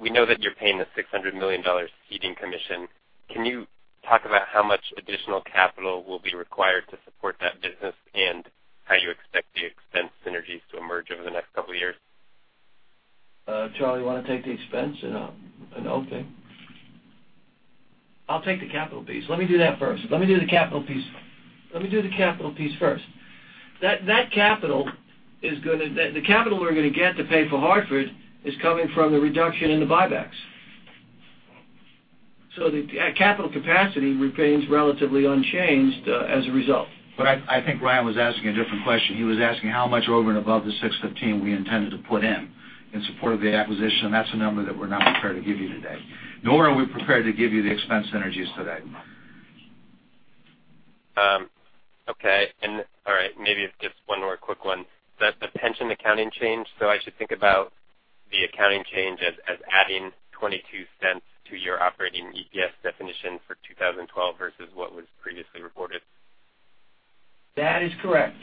we know that you're paying the $600 million ceding commission. Can you talk about how much additional capital will be required to support that business and how you expect the expense synergies to emerge over the next couple of years? Charlie, you want to take the expense and I'll take I'll take the capital piece. Let me do that first. Let me do the capital piece first. The capital we're going to get to pay for Hartford is coming from the reduction in the buybacks. The capital capacity remains relatively unchanged as a result. I think Ryan was asking a different question. He was asking how much over and above the $615 we intended to put in support of the acquisition. That's a number that we're not prepared to give you today, nor are we prepared to give you the expense synergies today. Okay. All right. Maybe just one more quick one. The pension accounting change, I should think about the accounting change as adding $0.22 to your operating EPS definition for 2012 versus what was previously reported? That is correct.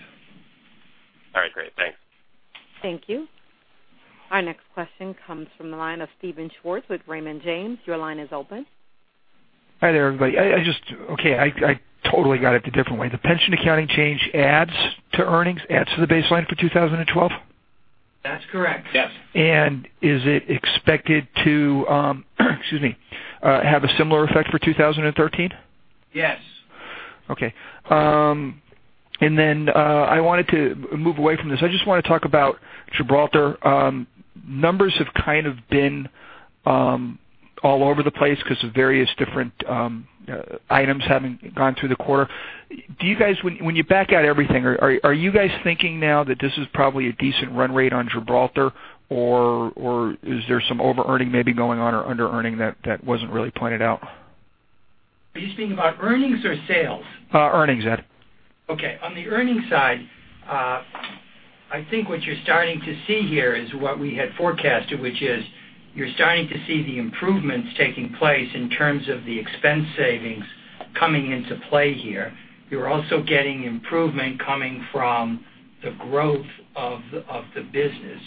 All right, great. Thanks. Thank you. Our next question comes from the line of Steven Schwartz with Raymond James. Your line is open. Hi there, everybody. I totally got it the different way. The pension accounting change adds to earnings, adds to the baseline for 2012? That's correct. Yes. Is it expected to have a similar effect for 2013? Yes. Okay. I wanted to move away from this. I just want to talk about Gibraltar. Numbers have kind of been all over the place because of various different items having gone through the quarter. When you back out everything, are you guys thinking now that this is probably a decent run rate on Gibraltar? Or is there some overearning maybe going on or underearning that wasn't really pointed out? Are you speaking about earnings or sales? Earnings, Ed. Okay. On the earnings side, I think what you're starting to see here is what we had forecasted, which is you're starting to see the improvements taking place in terms of the expense savings coming into play here. You're also getting improvement coming from the growth of the business.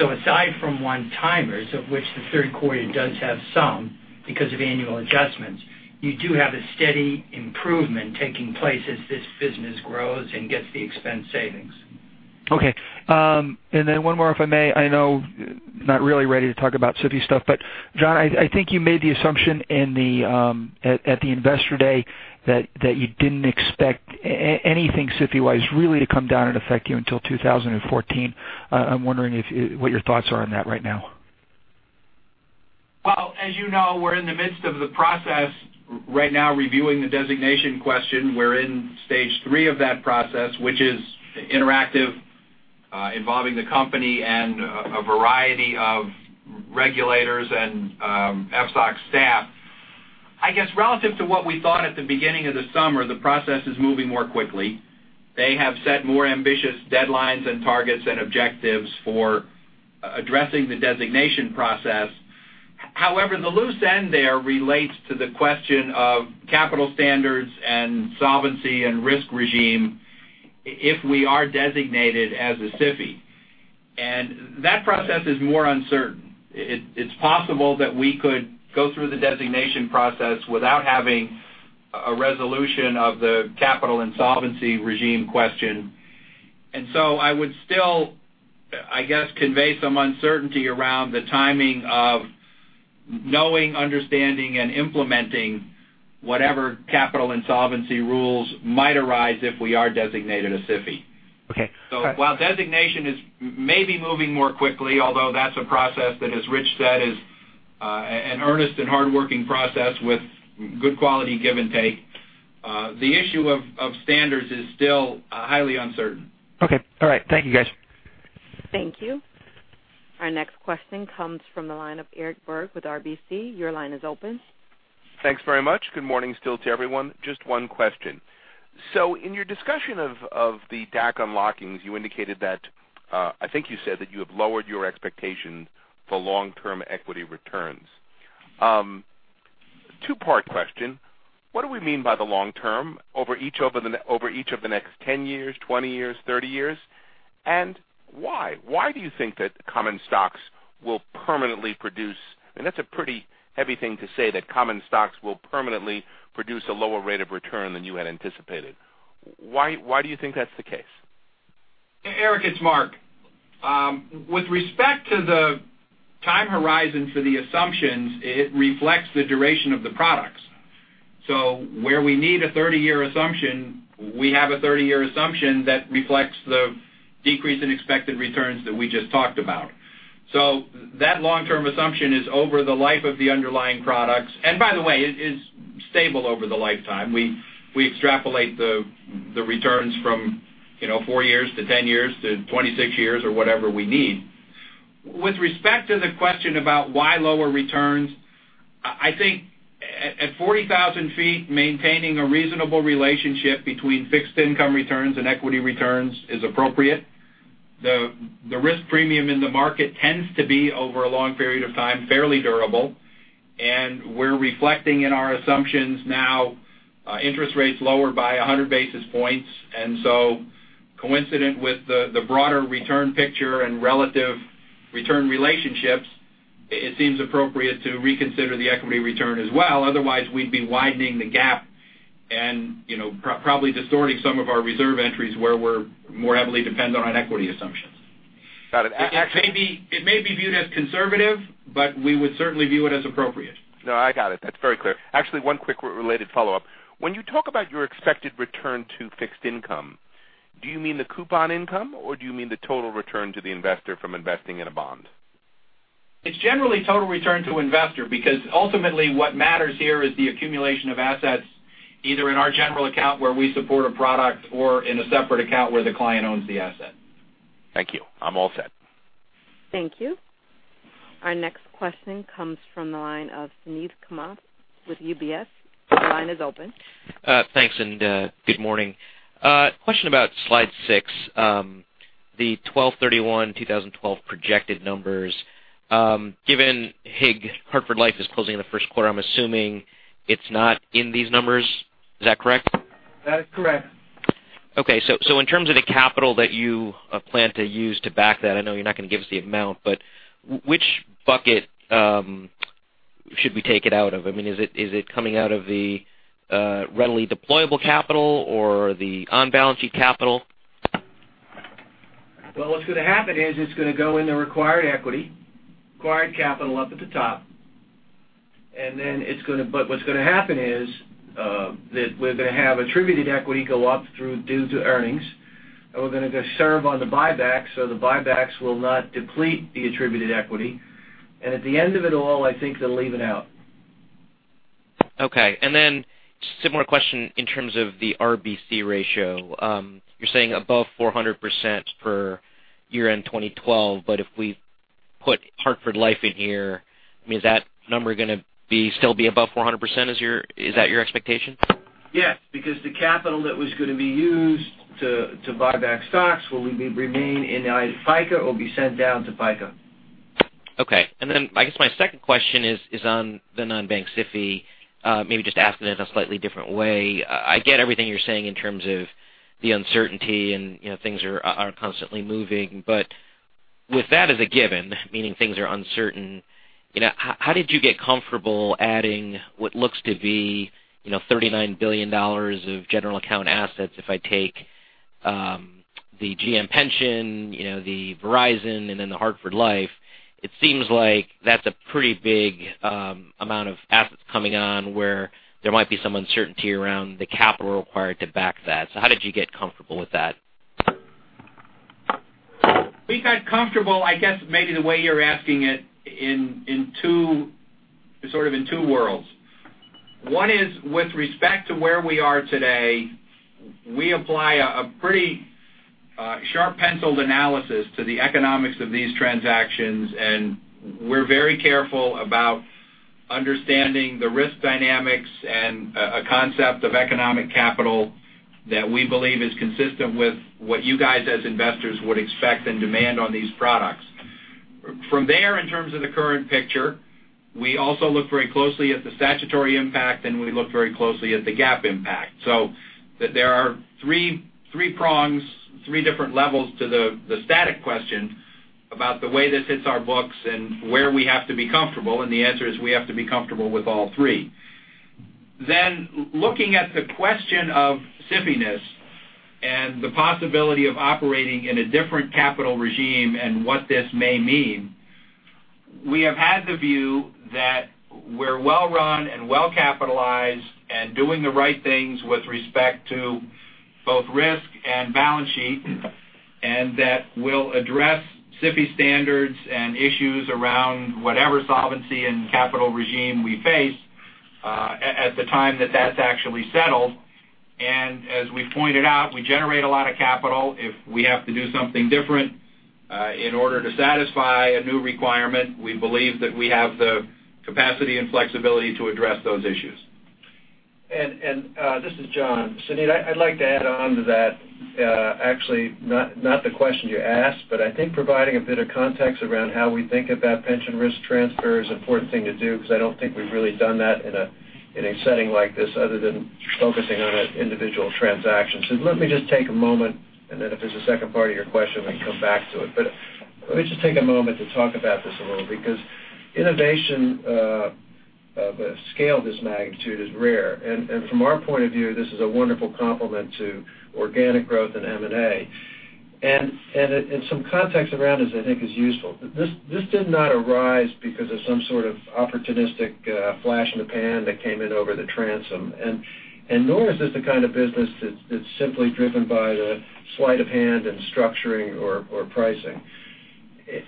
Aside from one-timers, of which the third quarter does have some because of annual adjustments, you do have a steady improvement taking place as this business grows and gets the expense savings. Okay. One more, if I may. I know you're not really ready to talk about SIFI stuff, but John, I think you made the assumption at the Investor Day that you didn't expect anything SIFI-wise really to come down and affect you until 2014. I'm wondering what your thoughts are on that right now. Well, as you know, we're in the midst of the process right now, reviewing the designation question. We're in stage 3 of that process, which is interactive involving the company and a variety of regulators and FSOC staff. I guess relative to what we thought at the beginning of the summer, the process is moving more quickly. They have set more ambitious deadlines and targets and objectives for addressing the designation process. However, the loose end there relates to the question of capital standards and solvency and risk regime if we are designated as a SIFI. That process is more uncertain. It's possible that we could go through the designation process without having a resolution of the capital and solvency regime question. I would still, I guess, convey some uncertainty around the timing of knowing, understanding, and implementing whatever capital and solvency rules might arise if we are designated a SIFI. Okay. While designation is maybe moving more quickly, although that's a process that, as Rich said, is an earnest and hardworking process with good quality give and take. The issue of standards is still highly uncertain. Okay. All right. Thank you, guys. Thank you. Our next question comes from the line of Eric Berg with RBC. Your line is open. Thanks very much. Good morning still to everyone. Just one question. In your discussion of the DAC unlockings, you indicated that, I think you said that you have lowered your expectations for long-term equity returns. Two-part question. What do we mean by the long term? Over each of the next 10 years, 20 years, 30 years? Why? Why do you think that common stocks will permanently produce a lower rate of return than you had anticipated. Why do you think that's the case? Eric, it's Mark. With respect to the time horizon for the assumptions, it reflects the duration of the products. Where we need a 30-year assumption, we have a 30-year assumption that reflects the decrease in expected returns that we just talked about. That long-term assumption is over the life of the underlying products. By the way, it is stable over the lifetime. We extrapolate the returns from four years to 10 years to 26 years or whatever we need. With respect to the question about why lower returns, I think at 40,000 feet, maintaining a reasonable relationship between fixed income returns and equity returns is appropriate. The risk premium in the market tends to be, over a long period of time, fairly durable, and we're reflecting in our assumptions now interest rates lower by 100 basis points. Coincident with the broader return picture and relative return relationships, it seems appropriate to reconsider the equity return as well. Otherwise, we'd be widening the gap and probably distorting some of our reserve entries where we're more heavily dependent on equity assumptions. Got it. It may be viewed as conservative, we would certainly view it as appropriate. No, I got it. That's very clear. Actually, one quick related follow-up. When you talk about your expected return to fixed income, do you mean the coupon income, or do you mean the total return to the investor from investing in a bond? It's generally total return to investor, because ultimately what matters here is the accumulation of assets, either in our general account where we support a product or in a separate account where the client owns the asset. Thank you. I'm all set. Thank you. Our next question comes from the line of Suneet Kamath with UBS. Your line is open. Thanks. Good morning. Question about slide six, the 12/31/2012 projected numbers. Given HIG Hartford Life is closing in the first quarter, I'm assuming it's not in these numbers. Is that correct? That is correct. Okay. In terms of the capital that you plan to use to back that, I know you're not going to give us the amount. Which bucket should we take it out of? I mean, is it coming out of the readily deployable capital or the on-balance sheet capital? What's going to happen is it's going to go in the required equity, required capital up at the top. What's going to happen is that we're going to have attributed equity go up through due to earnings, and we're going to serve on the buyback, so the buybacks will not deplete the attributed equity. At the end of it all, I think they'll leave it out. Okay. Similar question in terms of the RBC ratio. You're saying above 400% for year-end 2012, but if we put Hartford Life in here, I mean, is that number going to still be above 400%? Is that your expectation? Yes, because the capital that was going to be used to buy back stocks will remain in FICA or be sent down to PICA. Okay. I guess my second question is on the non-bank SIFI, maybe just asking it in a slightly different way. I get everything you're saying in terms of the uncertainty and things are constantly moving. With that as a given, meaning things are uncertain, how did you get comfortable adding what looks to be $39 billion of general account assets if I take the GM pension, the Verizon, and then the Hartford Life? It seems like that's a pretty big amount of assets coming on where there might be some uncertainty around the capital required to back that. How did you get comfortable with that? We got comfortable, I guess maybe the way you're asking it, sort of in two worlds. One is with respect to where we are today, we apply a pretty sharp-penciled analysis to the economics of these transactions, and we're very careful about understanding the risk dynamics and a concept of economic capital that we believe is consistent with what you guys as investors would expect and demand on these products. From there, in terms of the current picture, we also look very closely at the statutory impact, and we look very closely at the GAAP impact. There are three prongs, three different levels to the static question about the way this hits our books and where we have to be comfortable, and the answer is we have to be comfortable with all three. Looking at the question of SIFI-ness and the possibility of operating in a different capital regime and what this may mean, we have had the view that we're well-run and well-capitalized and doing the right things with respect to both risk and balance sheet, and that we'll address SIFI standards and issues around whatever solvency and capital regime we face at the time that's actually settled. As we pointed out, we generate a lot of capital. If we have to do something different in order to satisfy a new requirement, we believe that we have the capacity and flexibility to address those issues. This is John. Suneet, I'd like to add on to that. Actually, not the question you asked, but I think providing a bit of context around how we think about pension risk transfer is an important thing to do because I don't think we've really done that in a setting like this other than focusing on an individual transaction. Let me just take a moment, then if there's a second part of your question, we can come back to it. Let me just take a moment to talk about this a little, because innovation of a scale of this magnitude is rare. From our point of view, this is a wonderful complement to organic growth and M&A. Some context around this, I think, is useful. This did not arise because of some sort of opportunistic flash in the pan that came in over the transom. Nor is this the kind of business that's simply driven by the sleight of hand in structuring or pricing.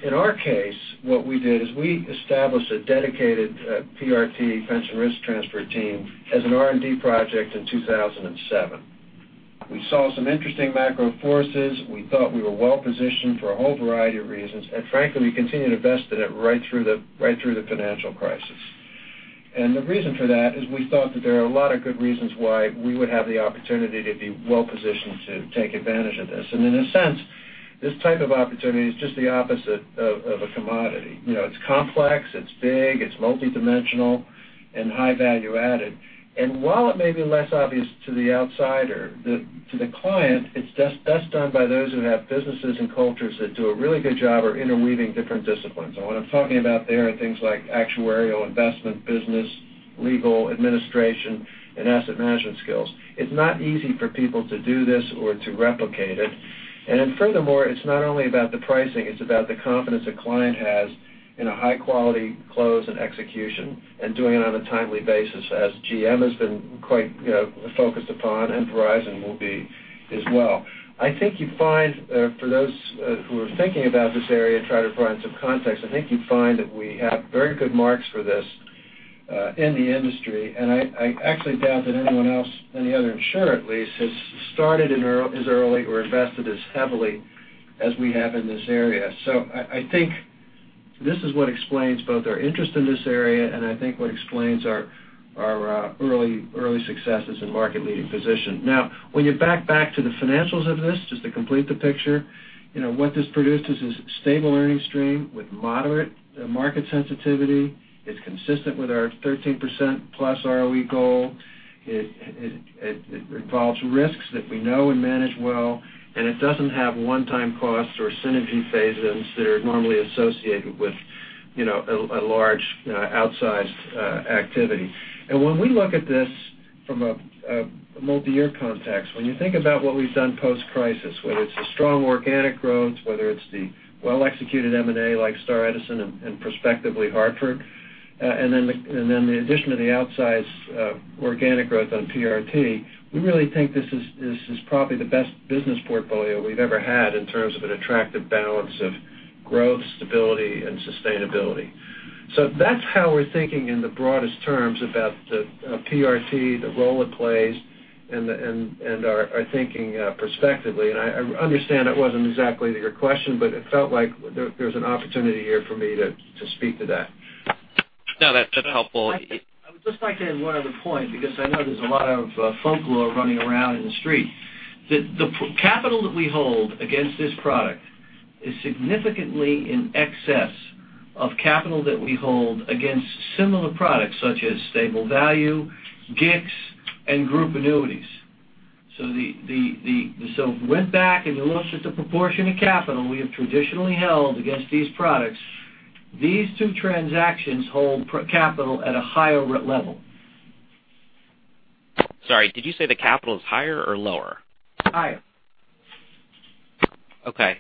In our case, what we did is we established a dedicated PRT, pension risk transfer team, as an R&D project in 2007. We saw some interesting macro forces. We thought we were well-positioned for a whole variety of reasons. Frankly, we continued to invest in it right through the financial crisis. The reason for that is we thought that there are a lot of good reasons why we would have the opportunity to be well-positioned to take advantage of this. In a sense, this type of opportunity is just the opposite of a commodity. It's complex, it's big, it's multidimensional, and high value added. While it may be less obvious to the outsider, to the client, it's best done by those who have businesses and cultures that do a really good job of interweaving different disciplines. What I'm talking about there are things like actuarial, investment, business, legal, administration, and asset management skills. It's not easy for people to do this or to replicate it. Furthermore, it's not only about the pricing, it's about the confidence a client has in a high-quality close and execution and doing it on a timely basis, as GM has been quite focused upon, and Verizon will be as well. I think you find for those who are thinking about this area and try to provide some context, I think you'd find that we have very good marks for this in the industry. I actually doubt that anyone else, any other insurer at least, has started as early or invested as heavily as we have in this area. I think this is what explains both our interest in this area and I think what explains our early successes and market-leading position. When you back to the financials of this, just to complete the picture, what this produced is a stable earning stream with moderate market sensitivity. It's consistent with our 13% plus ROE goal. It involves risks that we know and manage well, and it doesn't have one-time costs or synergy phase-ins that are normally associated with a large outsized activity. When we look at this from a multi-year context, when you think about what we've done post-crisis, whether it's the strong organic growth, whether it's the well-executed M&A like Star & Edison and prospectively Hartford, then the addition of the outsized organic growth on PRT, we really think this is probably the best business portfolio we've ever had in terms of an attractive balance of growth, stability, and sustainability. That's how we're thinking in the broadest terms about the PRT, the role it plays, and our thinking perspectively. I understand that wasn't exactly your question, but it felt like there was an opportunity here for me to speak to that. No, that's helpful. I would just like to add one other point because I know there's a lot of folklore running around in the street. The capital that we hold against this product is significantly in excess of capital that we hold against similar products such as Stable Value, GICs, and Group Annuities. If you went back and you looked at the proportion of capital we have traditionally held against these products, these two transactions hold capital at a higher level. Sorry, did you say the capital is higher or lower? Higher. Okay.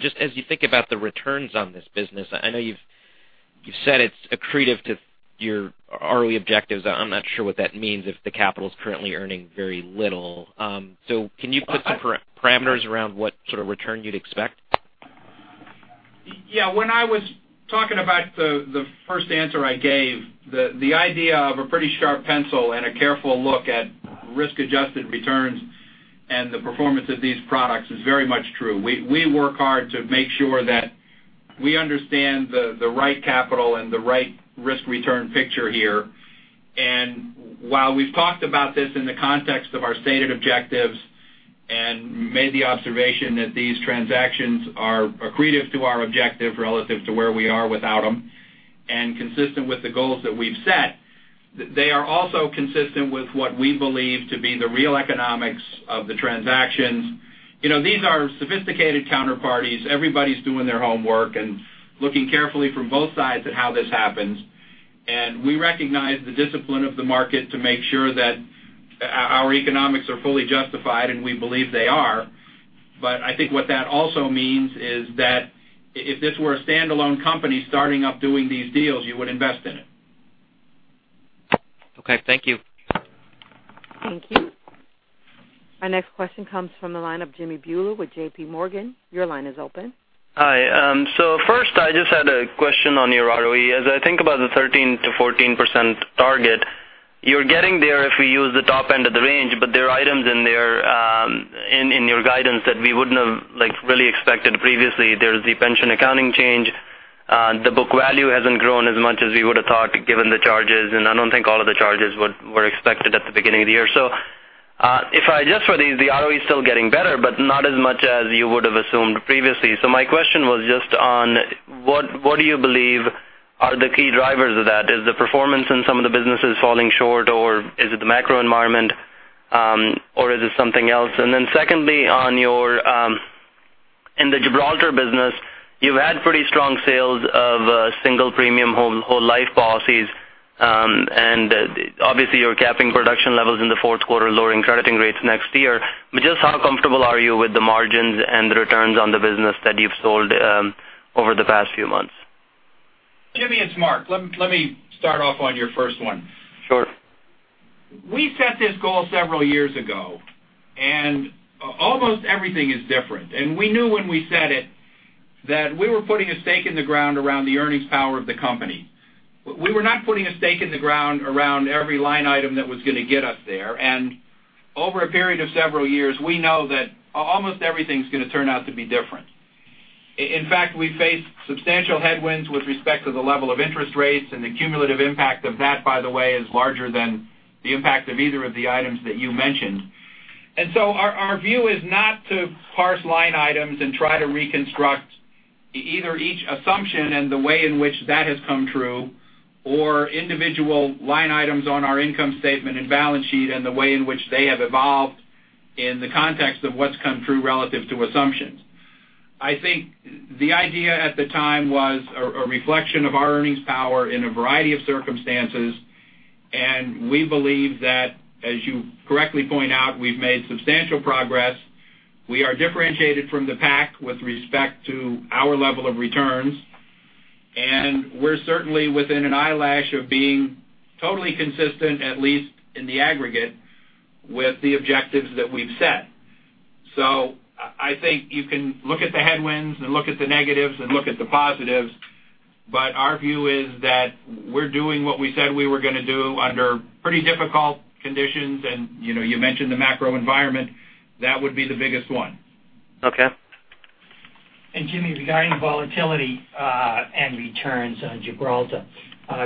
Just as you think about the returns on this business, I know you've said it's accretive to your ROE objectives. I'm not sure what that means if the capital is currently earning very little. Can you put some parameters around what sort of return you'd expect? Yeah. When I was talking about the first answer I gave, the idea of a pretty sharp pencil and a careful look at risk-adjusted returns and the performance of these products is very much true. We work hard to make sure that we understand the right capital and the right risk-return picture here. While we've talked about this in the context of our stated objectives Made the observation that these transactions are accretive to our objective relative to where we are without them, and consistent with the goals that we've set. They are also consistent with what we believe to be the real economics of the transactions. These are sophisticated counterparties. Everybody's doing their homework and looking carefully from both sides at how this happens. We recognize the discipline of the market to make sure that our economics are fully justified, and we believe they are. I think what that also means is that if this were a standalone company starting up doing these deals, you would invest in it. Okay, thank you. Thank you. Our next question comes from the line of Jimmy Bhullar with JPMorgan. Your line is open. First, I just had a question on your ROE. As I think about the 13%-14% target, you're getting there if we use the top end of the range, but there are items in there, in your guidance that we wouldn't have really expected previously. There's the pension accounting change. The book value hasn't grown as much as we would've thought, given the charges, and I don't think all of the charges were expected at the beginning of the year. If I adjust for these, the ROE is still getting better, but not as much as you would have assumed previously. My question was just on what do you believe are the key drivers of that? Is the performance in some of the businesses falling short, or is it the macro environment, or is it something else? Secondly, in the Gibraltar business, you've had pretty strong sales of single premium whole life policies. Obviously, you're capping production levels in the fourth quarter, lowering crediting rates next year. Just how comfortable are you with the margins and the returns on the business that you've sold over the past few months? Jimmy, it's Mark. Let me start off on your first one. Sure. We set this goal several years ago, almost everything is different. We knew when we set it that we were putting a stake in the ground around the earnings power of the company. We were not putting a stake in the ground around every line item that was going to get us there. Over a period of several years, we know that almost everything's going to turn out to be different. In fact, we face substantial headwinds with respect to the level of interest rates, and the cumulative impact of that, by the way, is larger than the impact of either of the items that you mentioned. Our view is not to parse line items and try to reconstruct either each assumption and the way in which that has come true, or individual line items on our income statement and balance sheet and the way in which they have evolved in the context of what's come true relative to assumptions. I think the idea at the time was a reflection of our earnings power in a variety of circumstances, and we believe that, as you correctly point out, we've made substantial progress. We are differentiated from the pack with respect to our level of returns, and we're certainly within an eyelash of being totally consistent, at least in the aggregate, with the objectives that we've set. I think you can look at the headwinds and look at the negatives and look at the positives, but our view is that we're doing what we said we were going to do under pretty difficult conditions, and you mentioned the macro environment. That would be the biggest one. Okay. Jimmy, regarding volatility and returns on Gibraltar.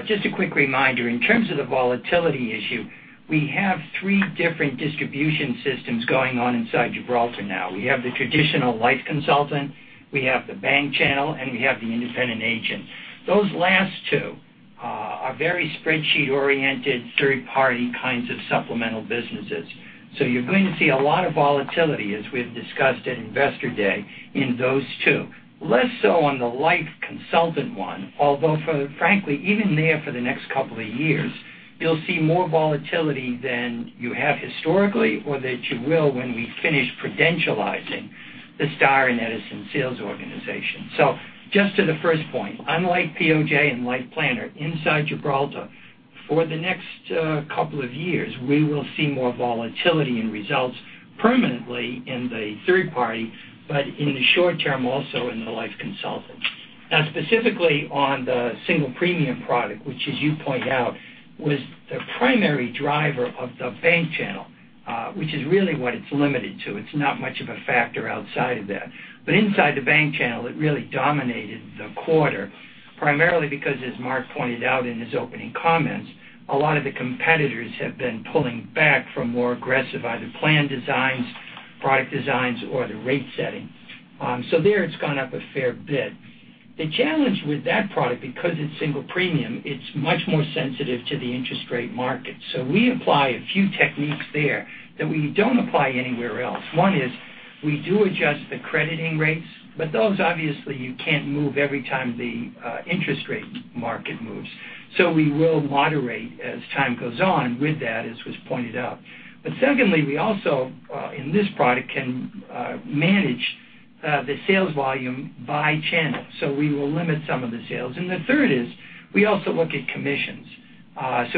Just a quick reminder, in terms of the volatility issue, we have three different distribution systems going on inside Gibraltar now. We have the traditional life consultant, we have the bank channel, and we have the independent agent. Those last two are very spreadsheet-oriented, third-party kinds of supplemental businesses. You're going to see a lot of volatility, as we've discussed at Investor Day, in those two. Less so on the life consultant one, although frankly, even there, for the next couple of years, you'll see more volatility than you have historically or that you will when we finish Prudentializing the Star & Edison sales organization. Just to the first point, unlike POJ and Life Planner, inside Gibraltar, for the next couple of years, we will see more volatility in results permanently in the third party, but in the short term, also in the life consultant. Now, specifically on the single premium product, which as you point out, was the primary driver of the bank channel, which is really what it's limited to. It's not much of a factor outside of that. Inside the bank channel, it really dominated the quarter, primarily because, as Mark pointed out in his opening comments, a lot of the competitors have been pulling back from more aggressive either plan designs, product designs, or the rate setting. There it's gone up a fair bit. The challenge with that product, because it's single premium, it's much more sensitive to the interest rate market. We apply a few techniques there that we don't apply anywhere else. One is we do adjust the crediting rates, those obviously you can't move every time the interest rate market moves. We will moderate as time goes on with that, as was pointed out. Secondly, we also, in this product, can manage the sales volume by channel. We will limit some of the sales. The third is we also look at commissions.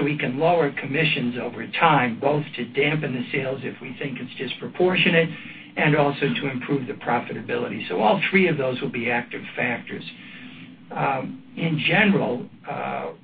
We can lower commissions over time, both to dampen the sales if we think it's disproportionate, and also to improve the profitability. All three of those will be active factors. In general,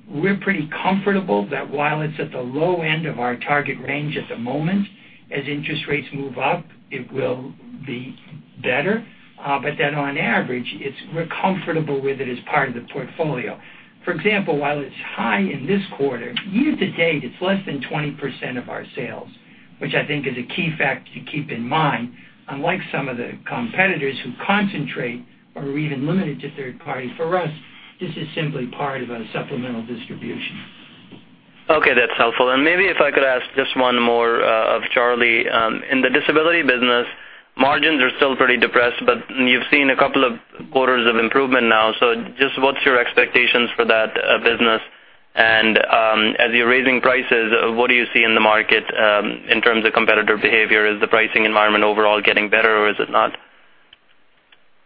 we're pretty comfortable that while it's at the low end of our target range at the moment, as interest rates move up, it will Be better, on average, we're comfortable with it as part of the portfolio. For example, while it's high in this quarter, year to date, it's less than 20% of our sales, which I think is a key fact to keep in mind. Unlike some of the competitors who concentrate or are even limited to third party, for us, this is simply part of a supplemental distribution. Okay, that's helpful. Maybe if I could ask just one more of Charlie. In the disability business, margins are still pretty depressed, you've seen a couple of quarters of improvement now. Just what's your expectations for that business? As you're raising prices, what do you see in the market, in terms of competitor behavior? Is the pricing environment overall getting better or is it not?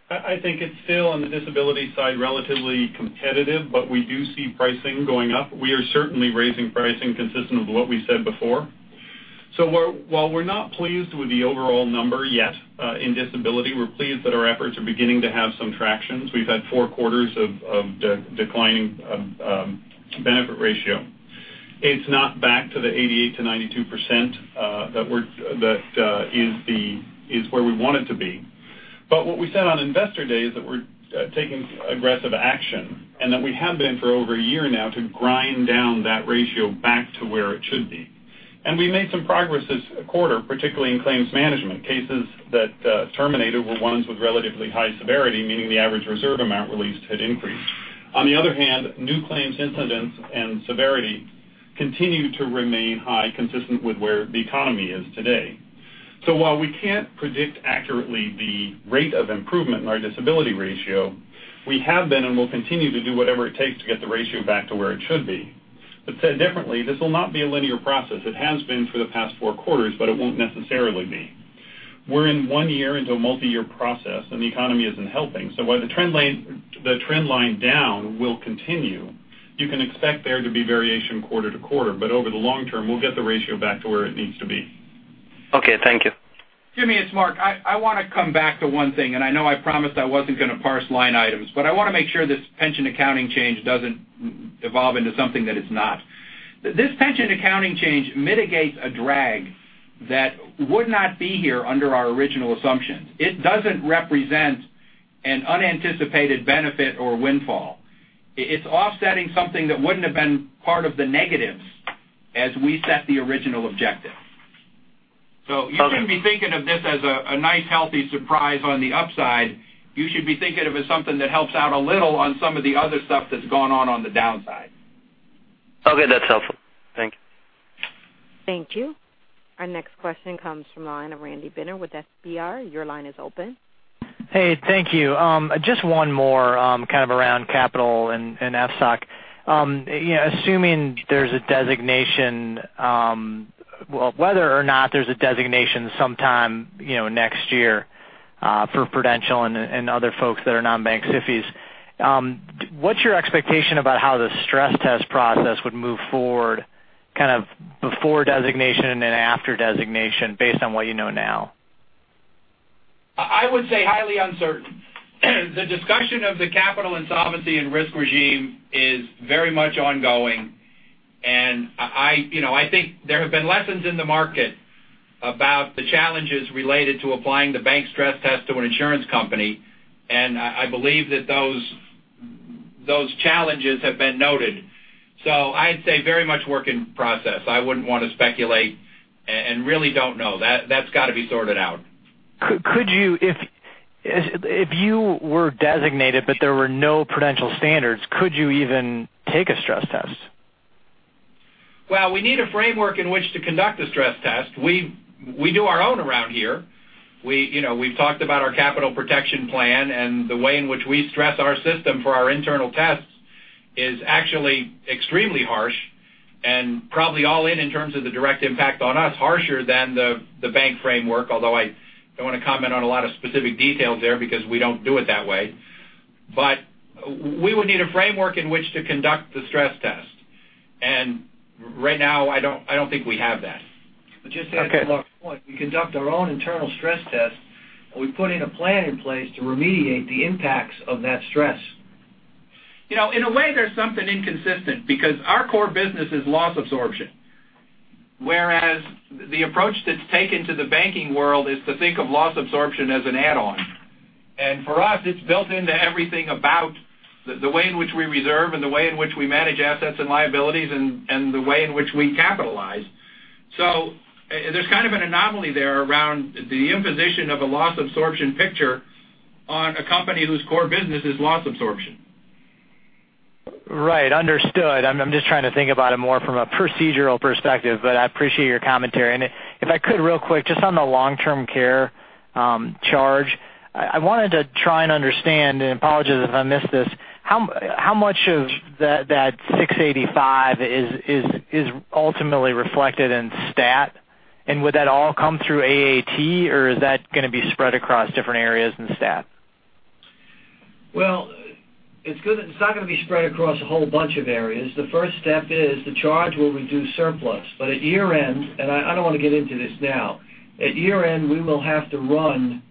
I think it's still on the disability side, relatively competitive, we do see pricing going up. We are certainly raising pricing consistent with what we said before. While we're not pleased with the overall number yet, in disability, we're pleased that our efforts are beginning to have some tractions. We've had four quarters of declining benefit ratio. It's not back to the 88%-92% that is where we want it to be. What we said on Investor Day is that we're taking aggressive action, and that we have been for over a year now to grind down that ratio back to where it should be. We made some progress this quarter, particularly in claims management. Cases that terminated were ones with relatively high severity, meaning the average reserve amount released had increased. On the other hand, new claims incidents and severity continue to remain high, consistent with where the economy is today. While we can't predict accurately the rate of improvement in our disability ratio, we have been and will continue to do whatever it takes to get the ratio back to where it should be. Said differently, this will not be a linear process. It has been for the past 4 quarters, but it won't necessarily be. We're in 1 year into a multi-year process, and the economy isn't helping. While the trend line down will continue, you can expect there to be variation quarter to quarter, but over the long term, we'll get the ratio back to where it needs to be. Okay, thank you. Jimmy, it's Mark. I want to come back to 1 thing, and I know I promised I wasn't going to parse line items. I want to make sure this pension accounting change doesn't evolve into something that it's not. This pension accounting change mitigates a drag that would not be here under our original assumptions. It doesn't represent an unanticipated benefit or windfall. It's offsetting something that wouldn't have been part of the negatives as we set the original objective. Okay. You shouldn't be thinking of this as a nice healthy surprise on the upside. You should be thinking of it as something that helps out a little on some of the other stuff that's gone on the downside. Okay, that's helpful. Thank you. Thank you. Our next question comes from the line of Randy Binner with FBR. Your line is open. Hey, thank you. Just one more, kind of around capital and FSOC. Assuming there's a designation, whether or not there's a designation sometime next year for Prudential and other folks that are non-bank SIFIs. What's your expectation about how the stress test process would move forward, kind of before designation and after designation based on what you know now? I would say highly uncertain. The discussion of the capital insolvency and risk regime is very much ongoing. I think there have been lessons in the market about the challenges related to applying the bank stress test to an insurance company. I believe that those challenges have been noted. I'd say very much work in process. I wouldn't want to speculate and really don't know. That's got to be sorted out. If you were designated, but there were no Prudential standards, could you even take a stress test? Well, we need a framework in which to conduct a stress test. We do our own around here. We've talked about our capital protection plan and the way in which we stress our system for our internal tests is actually extremely harsh and probably all in terms of the direct impact on us, harsher than the bank framework, although I don't want to comment on a lot of specific details there because we don't do it that way. We would need a framework in which to conduct the stress test. Right now, I don't think we have that. Okay. Just to add to Mark's point, we conduct our own internal stress test, and we put in a plan in place to remediate the impacts of that stress. In a way, there's something inconsistent because our core business is loss absorption. Whereas the approach that's taken to the banking world is to think of loss absorption as an add-on. For us, it's built into everything about the way in which we reserve and the way in which we manage assets and liabilities and the way in which we capitalize. There's kind of an anomaly there around the imposition of a loss absorption picture on a company whose core business is loss absorption. Right. Understood. I'm just trying to think about it more from a procedural perspective, but I appreciate your commentary. If I could, real quick, just on the long-term care charge, I wanted to try and understand, and apologies if I missed this, how much of that $685 is ultimately reflected in STAT? Would that all come through AAT, or is that going to be spread across different areas in STAT? Well, it's not going to be spread across a whole bunch of areas. The first step is the charge will reduce surplus. At year end, and I don't want to get into this now. At year end, we will have to run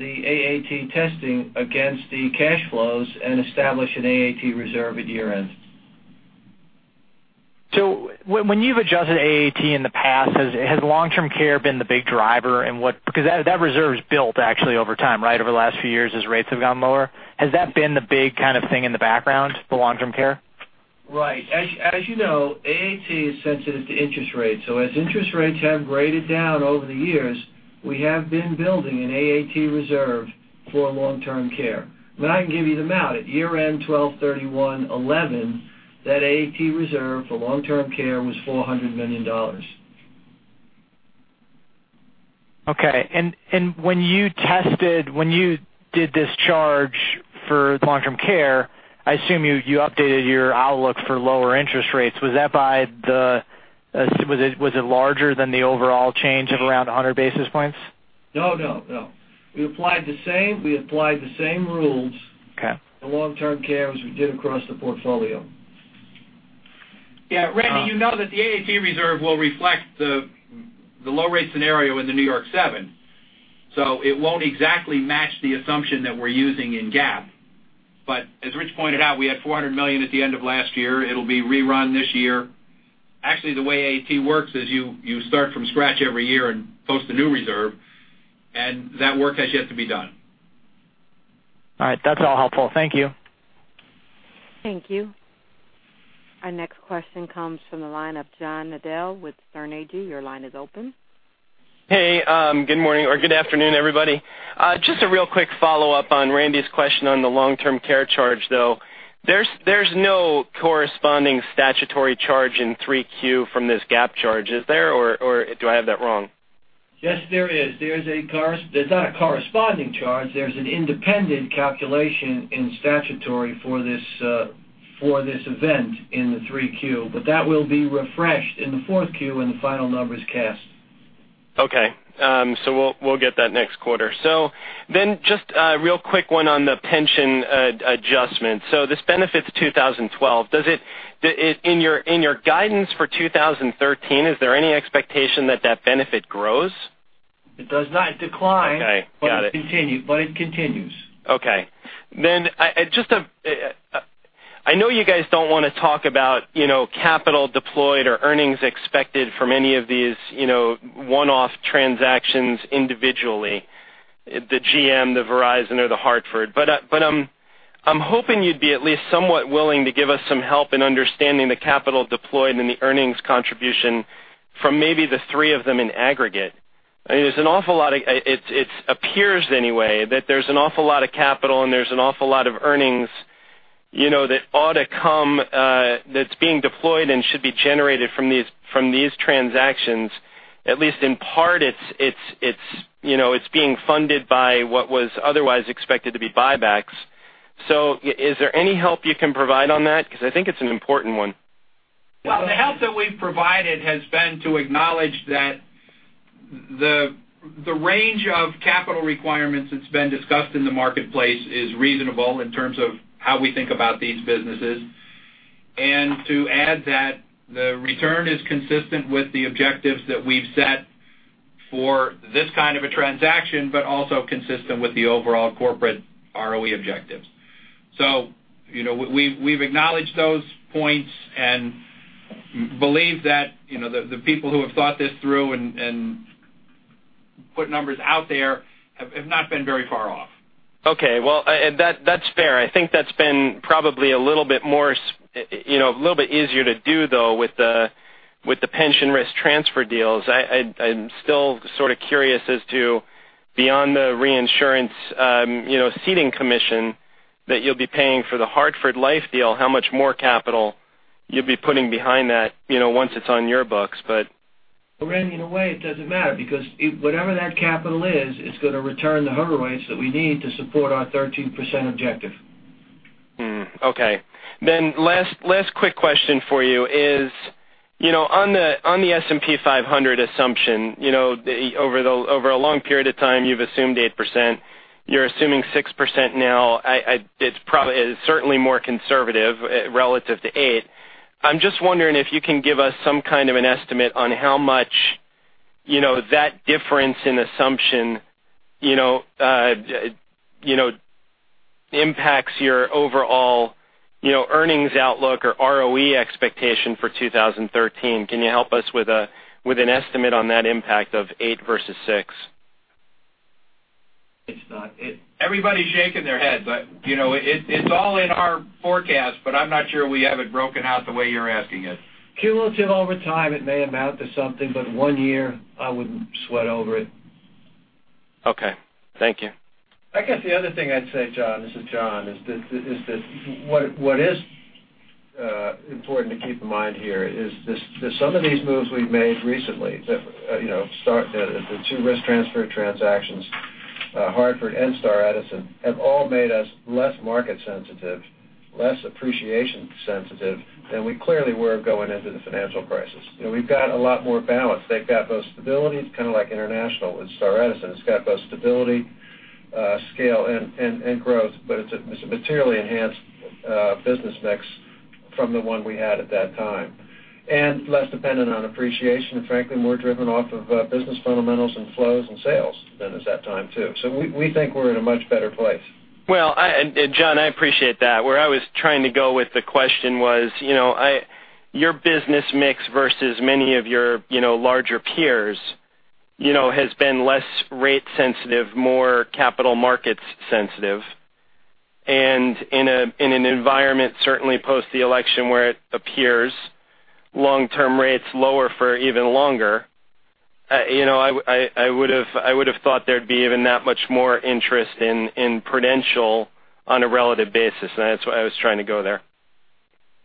the AAT testing against the cash flows and establish an AAT reserve at year end. When you've adjusted AAT in the past, has long-term care been the big driver? Because that reserve is built actually over time, over the last few years, as rates have gone lower. Has that been the big kind of thing in the background, the long-term care? Right. As you know, AAT is sensitive to interest rates. As interest rates have graded down over the years, we have been building an AAT reserve for long-term care. I can give you the amount. At year-end 12/31/2011, that AAT reserve for long-term care was $400 million. Okay. When you did this charge for long-term care, I assume you updated your outlook for lower interest rates. Was it larger than the overall change of around 100 basis points? No. We applied the same rules- Okay for long-term care as we did across the portfolio. Yeah, Randy, you know that the AAT reserve will reflect the low rate scenario in the New York 7. It won't exactly match the assumption that we're using in GAAP. As Rich pointed out, we had $400 million at the end of last year. It'll be rerun this year. Actually, the way AAT works is you start from scratch every year and post a new reserve, that work has yet to be done. All right. That's all helpful. Thank you. Thank you. Our next question comes from the line of John Nadel with Sterne Agee. Your line is open. Hey, good morning or good afternoon, everybody. Just a real quick follow-up on Randy's question on the long-term care charge, though. There's no corresponding statutory charge in Q3 from this GAAP charge, is there? Or do I have that wrong? Yes, there is. There's not a corresponding charge. There's an independent calculation in statutory for this event in the Q3, but that will be refreshed in the Q4 when the final number is cast. Okay. We'll get that next quarter. Just a real quick one on the pension adjustment. This benefits 2012. In your guidance for 2013, is there any expectation that benefit grows? It does not decline. Okay, got it. It continues. Okay. I know you guys don't want to talk about capital deployed or earnings expected from any of these one-off transactions individually, the General Motors, the Verizon, or The Hartford. I'm hoping you'd be at least somewhat willing to give us some help in understanding the capital deployed and the earnings contribution from maybe the three of them in aggregate. It appears anyway, that there's an awful lot of capital and there's an awful lot of earnings that ought to come, that's being deployed and should be generated from these transactions. At least in part it's being funded by what was otherwise expected to be buybacks. Is there any help you can provide on that? Because I think it's an important one. The help that we've provided has been to acknowledge that the range of capital requirements that's been discussed in the marketplace is reasonable in terms of how we think about these businesses. To add that the return is consistent with the objectives that we've set for this kind of a transaction, but also consistent with the overall corporate ROE objectives. We've acknowledged those points and believe that the people who have thought this through and put numbers out there have not been very far off. Okay. That's fair. I think that's been probably a little bit easier to do though with the pension risk transfer deals. I'm still sort of curious as to beyond the reinsurance seeding commission that you'll be paying for the Hartford Life deal, how much more capital you'll be putting behind that once it's on your books. Randy, in a way, it doesn't matter because whatever that capital is, it's going to return the hurdle rates that we need to support our 13% objective. Okay. Last quick question for you is on the S&P 500 assumption, over a long period of time you've assumed 8%, you're assuming 6% now. It's certainly more conservative relative to 8. I'm just wondering if you can give us some kind of an estimate on how much that difference in assumption impacts your overall earnings outlook or ROE expectation for 2013. Can you help us with an estimate on that impact of 8 versus 6? Everybody's shaking their head, but it's all in our forecast, but I'm not sure we have it broken out the way you're asking it. Cumulative over time, it may amount to something, but one year I wouldn't sweat over it. Okay. Thank you. I guess the other thing I'd say, John, this is John, is that what is important to keep in mind here is that some of these moves we've made recently, the two risk transfer transactions, Hartford and Star & Edison, have all made us less market sensitive, less appreciation sensitive than we clearly were going into the financial crisis. We've got a lot more balance. They've got both stability. It's kind of like international with Star & Edison. It's got both stability, scale, and growth, but it's a materially enhanced business mix from the one we had at that time. Less dependent on appreciation and frankly, more driven off of business fundamentals and flows and sales than it was that time, too. We think we're in a much better place. Well, John, I appreciate that. Where I was trying to go with the question was, your business mix versus many of your larger peers has been less rate sensitive, more capital markets sensitive. In an environment certainly post the election where it appears long-term rates lower for even longer, I would have thought there'd be even that much more interest in Prudential on a relative basis. That's why I was trying to go there.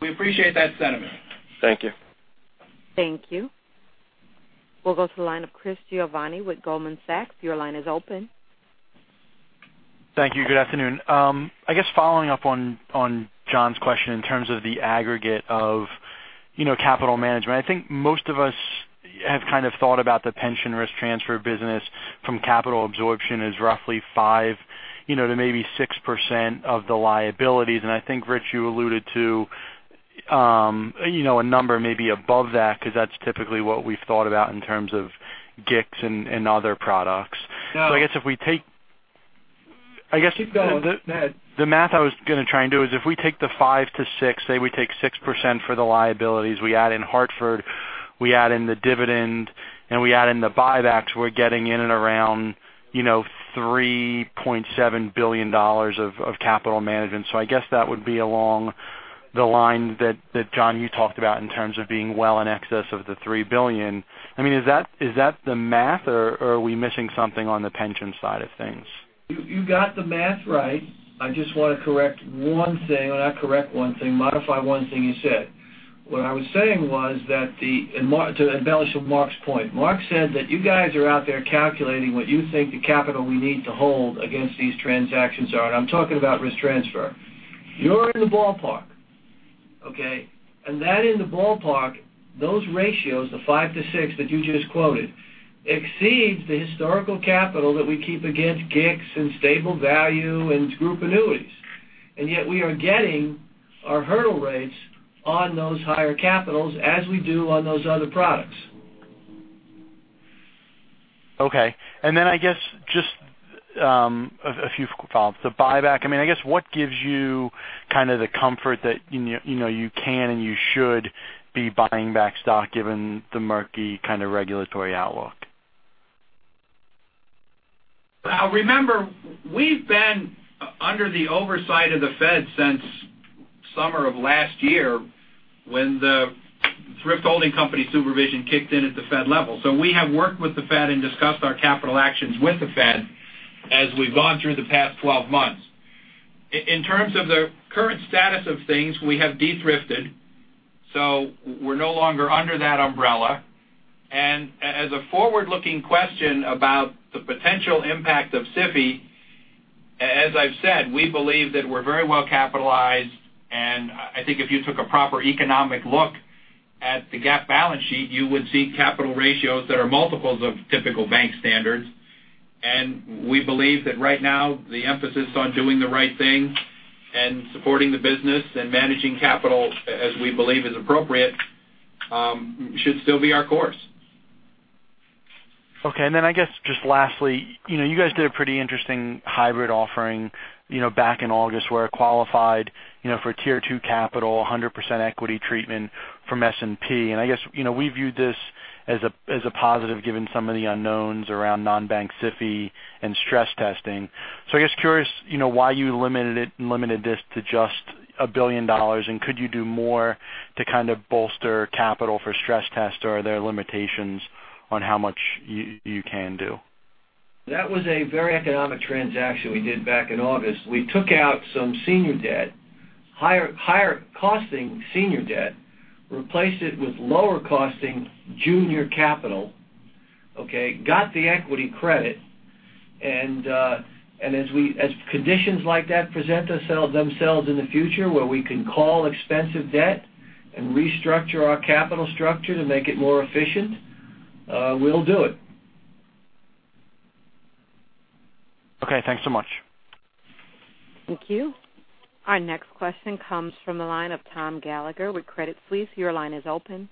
We appreciate that sentiment. Thank you. Thank you. We will go to the line of Chris Giovanni with Goldman Sachs. Your line is open. Thank you. Good afternoon. I guess following up on John's question in terms of the aggregate of capital management. I think most of us have kind of thought about the pension risk transfer business from capital absorption as roughly 5%-6% of the liabilities. I think, Rich, you alluded to a number maybe above that because that is typically what we have thought about in terms of GICS and other products. No. I guess if we take- Keep going. The math I was going to try and do is if we take the 5%-6%, say we take 6% for the liabilities, we add in Hartford, we add in the dividend, and we add in the buybacks, we're getting in and around $3.7 billion of capital management. I guess that would be along the lines that, John, you talked about in terms of being well in excess of the $3 billion. Is that the math or are we missing something on the pension side of things? You got the math right. I just want to correct one thing, or not correct one thing, modify one thing you said. What I was saying was that to embellish on Mark's point. Mark said that you guys are out there calculating what you think the capital we need to hold against these transactions are, and I'm talking about risk transfer. You're in the ballpark. Okay? That in the ballpark, those ratios, the 5%-6% that you just quoted, exceeds the historical capital that we keep against GICS and Stable Value and group annuities. Yet we are getting our hurdle rates on those higher capitals as we do on those other products. Okay. I guess just a few follow-ups. The buyback. I guess what gives you kind of the comfort that you can and you should be buying back stock given the murky kind of regulatory outlook? Remember, we've been under the oversight of the Fed since summer of last year when the thrift holding company supervision kicked in at the Fed level. We have worked with the Fed and discussed our capital actions with the Fed as we've gone through the past 12 months. In terms of the current status of things, we have de-thrifted, so we're no longer under that umbrella. As a forward-looking question about the potential impact of SIFI, as I've said, we believe that we're very well capitalized, and I think if you took a proper economic look at the GAAP balance sheet, you would see capital ratios that are multiples of typical bank standards. We believe that right now, the emphasis on doing the right thing and supporting the business and managing capital as we believe is appropriate should still be our course. Okay. I guess just lastly, you guys did a pretty interesting hybrid offering back in August where it qualified for Tier 2 capital, 100% equity treatment from S&P. I guess, we viewed this as a positive given some of the unknowns around non-bank SIFI and stress testing. I guess curious why you limited this to just $1 billion, could you do more to kind of bolster capital for stress tests, or are there limitations on how much you can do? That was a very economic transaction we did back in August. We took out some senior debt, higher costing senior debt, replaced it with lower costing junior capital, okay? Got the equity credit. As conditions like that present themselves in the future where we can call expensive debt and restructure our capital structure to make it more efficient, we'll do it. Okay, thanks so much. Thank you. Our next question comes from the line of Tom Gallagher with Credit Suisse. Your line is open.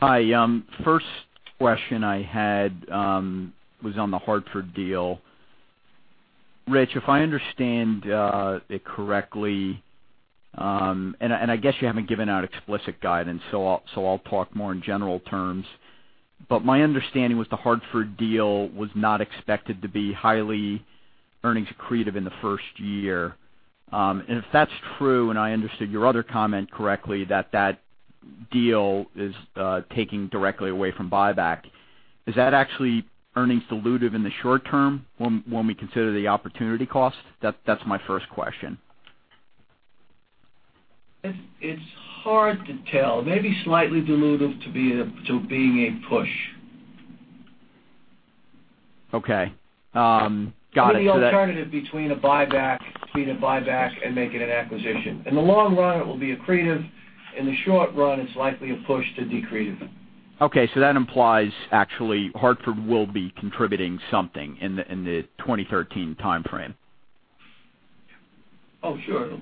Hi. First question I had was on The Hartford deal. Rich, if I understand it correctly, I guess you haven't given out explicit guidance, I'll talk more in general terms. My understanding was The Hartford deal was not expected to be highly earnings accretive in the first year. If that's true, I understood your other comment correctly, that deal is taking directly away from buyback. Is that actually earnings dilutive in the short term when we consider the opportunity cost? That's my first question. It's hard to tell. Maybe slightly dilutive to being a push. Okay. Got it. It's really an alternative between a buyback and making an acquisition. In the long run, it will be accretive. In the short run, it's likely a push to dilutive. Okay, that implies actually Hartford will be contributing something in the 2013 timeframe. Oh, sure.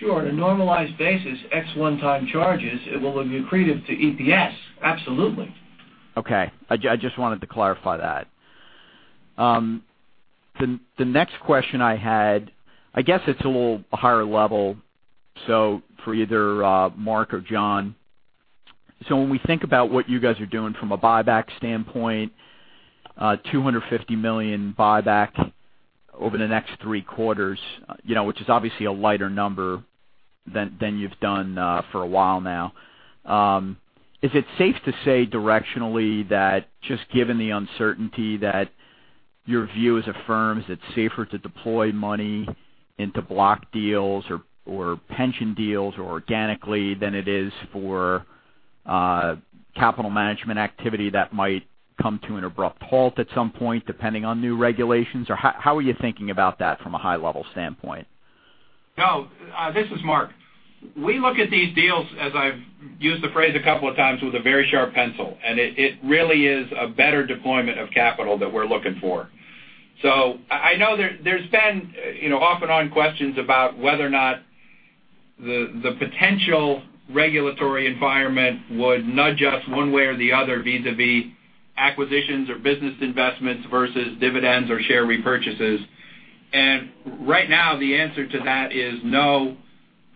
Sure. On a normalized basis, ex one-time charges, it will be accretive to EPS. Absolutely. Okay. I just wanted to clarify that. The next question I had, I guess it's a little higher level, for either Mark or John. When we think about what you guys are doing from a buyback standpoint, $250 million buyback over the next three quarters, which is obviously a lighter number than you've done for a while now. Is it safe to say directionally that just given the uncertainty, that your view as a firm, is it safer to deploy money into block deals or pension deals or organically than it is for capital management activity that might come to an abrupt halt at some point, depending on new regulations? How are you thinking about that from a high level standpoint? No, this is Mark. We look at these deals, as I've used the phrase a couple of times, with a very sharp pencil, it really is a better deployment of capital that we're looking for. I know there's been off and on questions about whether or not the potential regulatory environment would nudge us one way or the other vis-à-vis acquisitions or business investments versus dividends or share repurchases. Right now, the answer to that is no.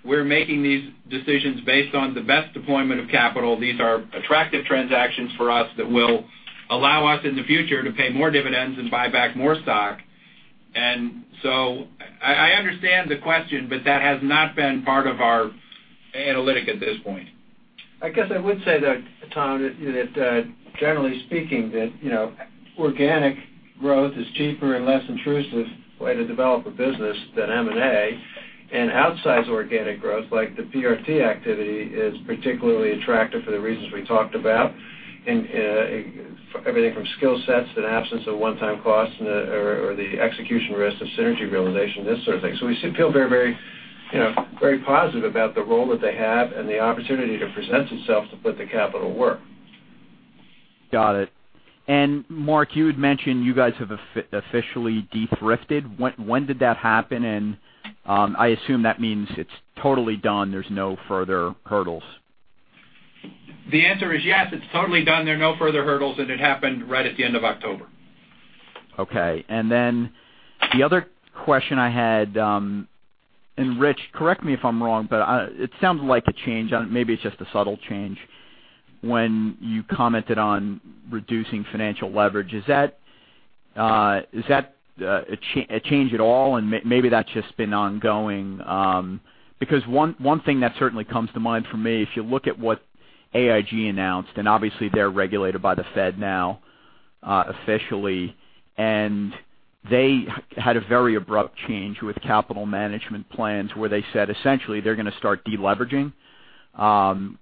We're making these decisions based on the best deployment of capital. These are attractive transactions for us that will allow us in the future to pay more dividends, buy back more stock. I understand the question, but that has not been part of our analytic at this point. I guess I would say, though, Tom, that generally speaking, that organic growth is cheaper and less intrusive way to develop a business than M&A. Outsized organic growth, like the PRT activity, is particularly attractive for the reasons we talked about, everything from skill sets to the absence of one-time costs or the execution risk of synergy realization, this sort of thing. We feel very positive about the role that they have and the opportunity that presents itself to put the capital to work. Got it. Mark, you had mentioned you guys have officially de-thrifted. When did that happen? I assume that means it's totally done. There's no further hurdles. The answer is yes. It's totally done, there are no further hurdles, and it happened right at the end of October. Okay. The other question I had, Rich, correct me if I'm wrong, but it sounds like a change, maybe it's just a subtle change, when you commented on reducing financial leverage. Is that a change at all? Maybe that's just been ongoing. One thing that certainly comes to mind for me, if you look at what AIG announced, obviously they're regulated by the Fed now officially, they had a very abrupt change with capital management plans where they said essentially, they're going to start de-leveraging from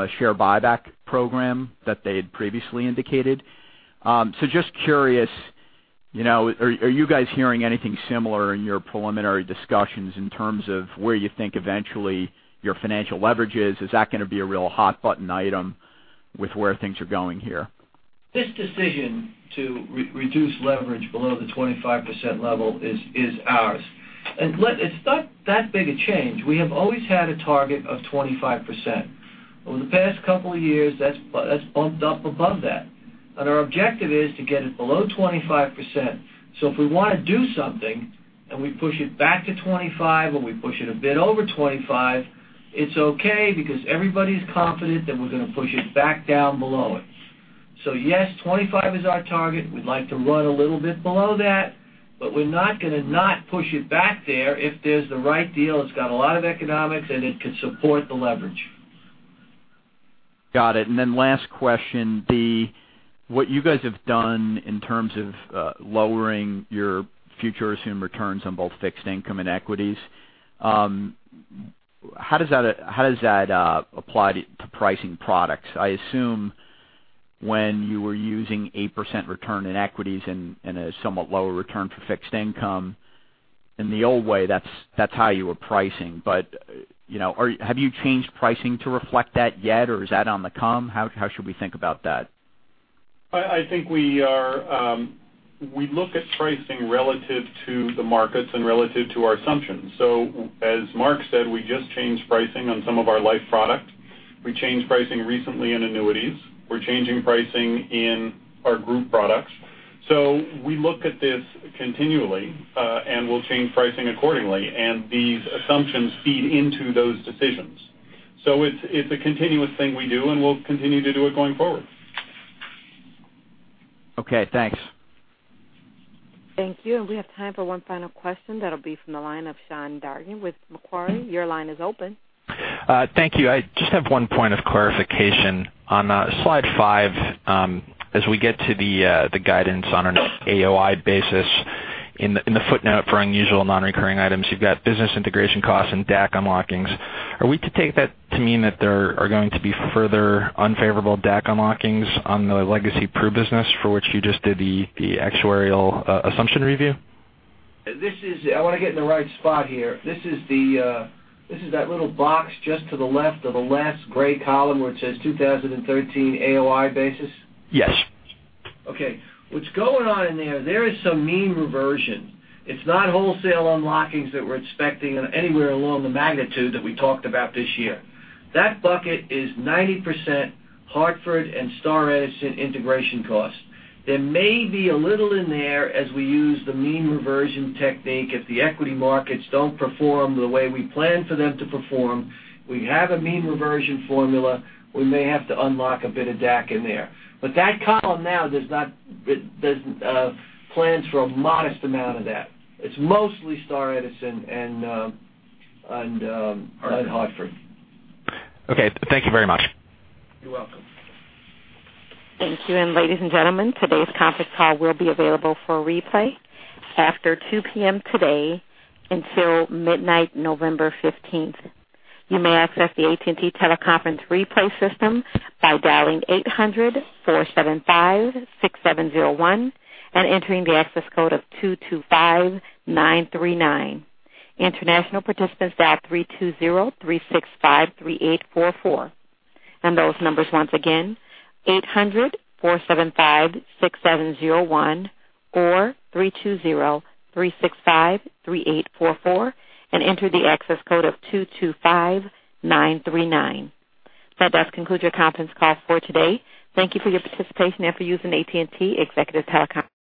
a share buyback program that they had previously indicated. Just curious, are you guys hearing anything similar in your preliminary discussions in terms of where you think eventually your financial leverage is? Is that going to be a real hot button item with where things are going here? This decision to reduce leverage below the 25% level is ours. It's not that big a change. We have always had a target of 25%. Over the past couple of years, that's bumped up above that. Our objective is to get it below 25%. If we want to do something, and we push it back to 25 or we push it a bit over 25, it's okay because everybody's confident that we're going to push it back down below it. Yes, 25 is our target. We'd like to run a little bit below that, but we're not going to not push it back there if there's the right deal, it's got a lot of economics, and it could support the leverage. Got it. Last question, what you guys have done in terms of lowering your future assumed returns on both fixed income and equities, how does that apply to pricing products? I assume when you were using 8% return in equities and a somewhat lower return for fixed income in the old way, that's how you were pricing. Have you changed pricing to reflect that yet, or is that on the come? How should we think about that? I think we look at pricing relative to the markets and relative to our assumptions. As Mark said, we just changed pricing on some of our life product. We changed pricing recently in annuities. We're changing pricing in our group products. We look at this continually, and we'll change pricing accordingly. These assumptions feed into those decisions. It's a continuous thing we do, and we'll continue to do it going forward. Okay, thanks. Thank you. We have time for one final question. That'll be from the line of Sean Dargan with Macquarie. Your line is open. Thank you. I just have one point of clarification. On slide five, as we get to the guidance on an AOI basis in the footnote for unusual non-recurring items, you've got business integration costs and DAC unlockings. Are we to take that to mean that there are going to be further unfavorable DAC unlockings on the legacy Pru business for which you just did the actuarial assumption review? I want to get in the right spot here. This is that little box just to the left of the last gray column where it says 2013 AOI basis? Yes. Okay. What's going on in there is some mean reversion. It's not wholesale unlockings that we're expecting anywhere along the magnitude that we talked about this year. That bucket is 90% Hartford and Star & Edison integration cost. There may be a little in there as we use the mean reversion technique if the equity markets don't perform the way we plan for them to perform. We have a mean reversion formula. We may have to unlock a bit of DAC in there. That column now plans for a modest amount of that. It's mostly Star & Edison and Hartford. Okay. Thank you very much. You're welcome. Thank you. Ladies and gentlemen, today's conference call will be available for replay after 2:00 P.M. today until midnight, November 15th. You may access the AT&T teleconference replay system by dialing 800-475-6701 and entering the access code of 225939. International participants dial 320-365-3844. Those numbers once again, 800-475-6701 or 320-365-3844 and enter the access code of 225939. That does conclude your conference call for today. Thank you for your participation and for using AT&T Executive TeleConference.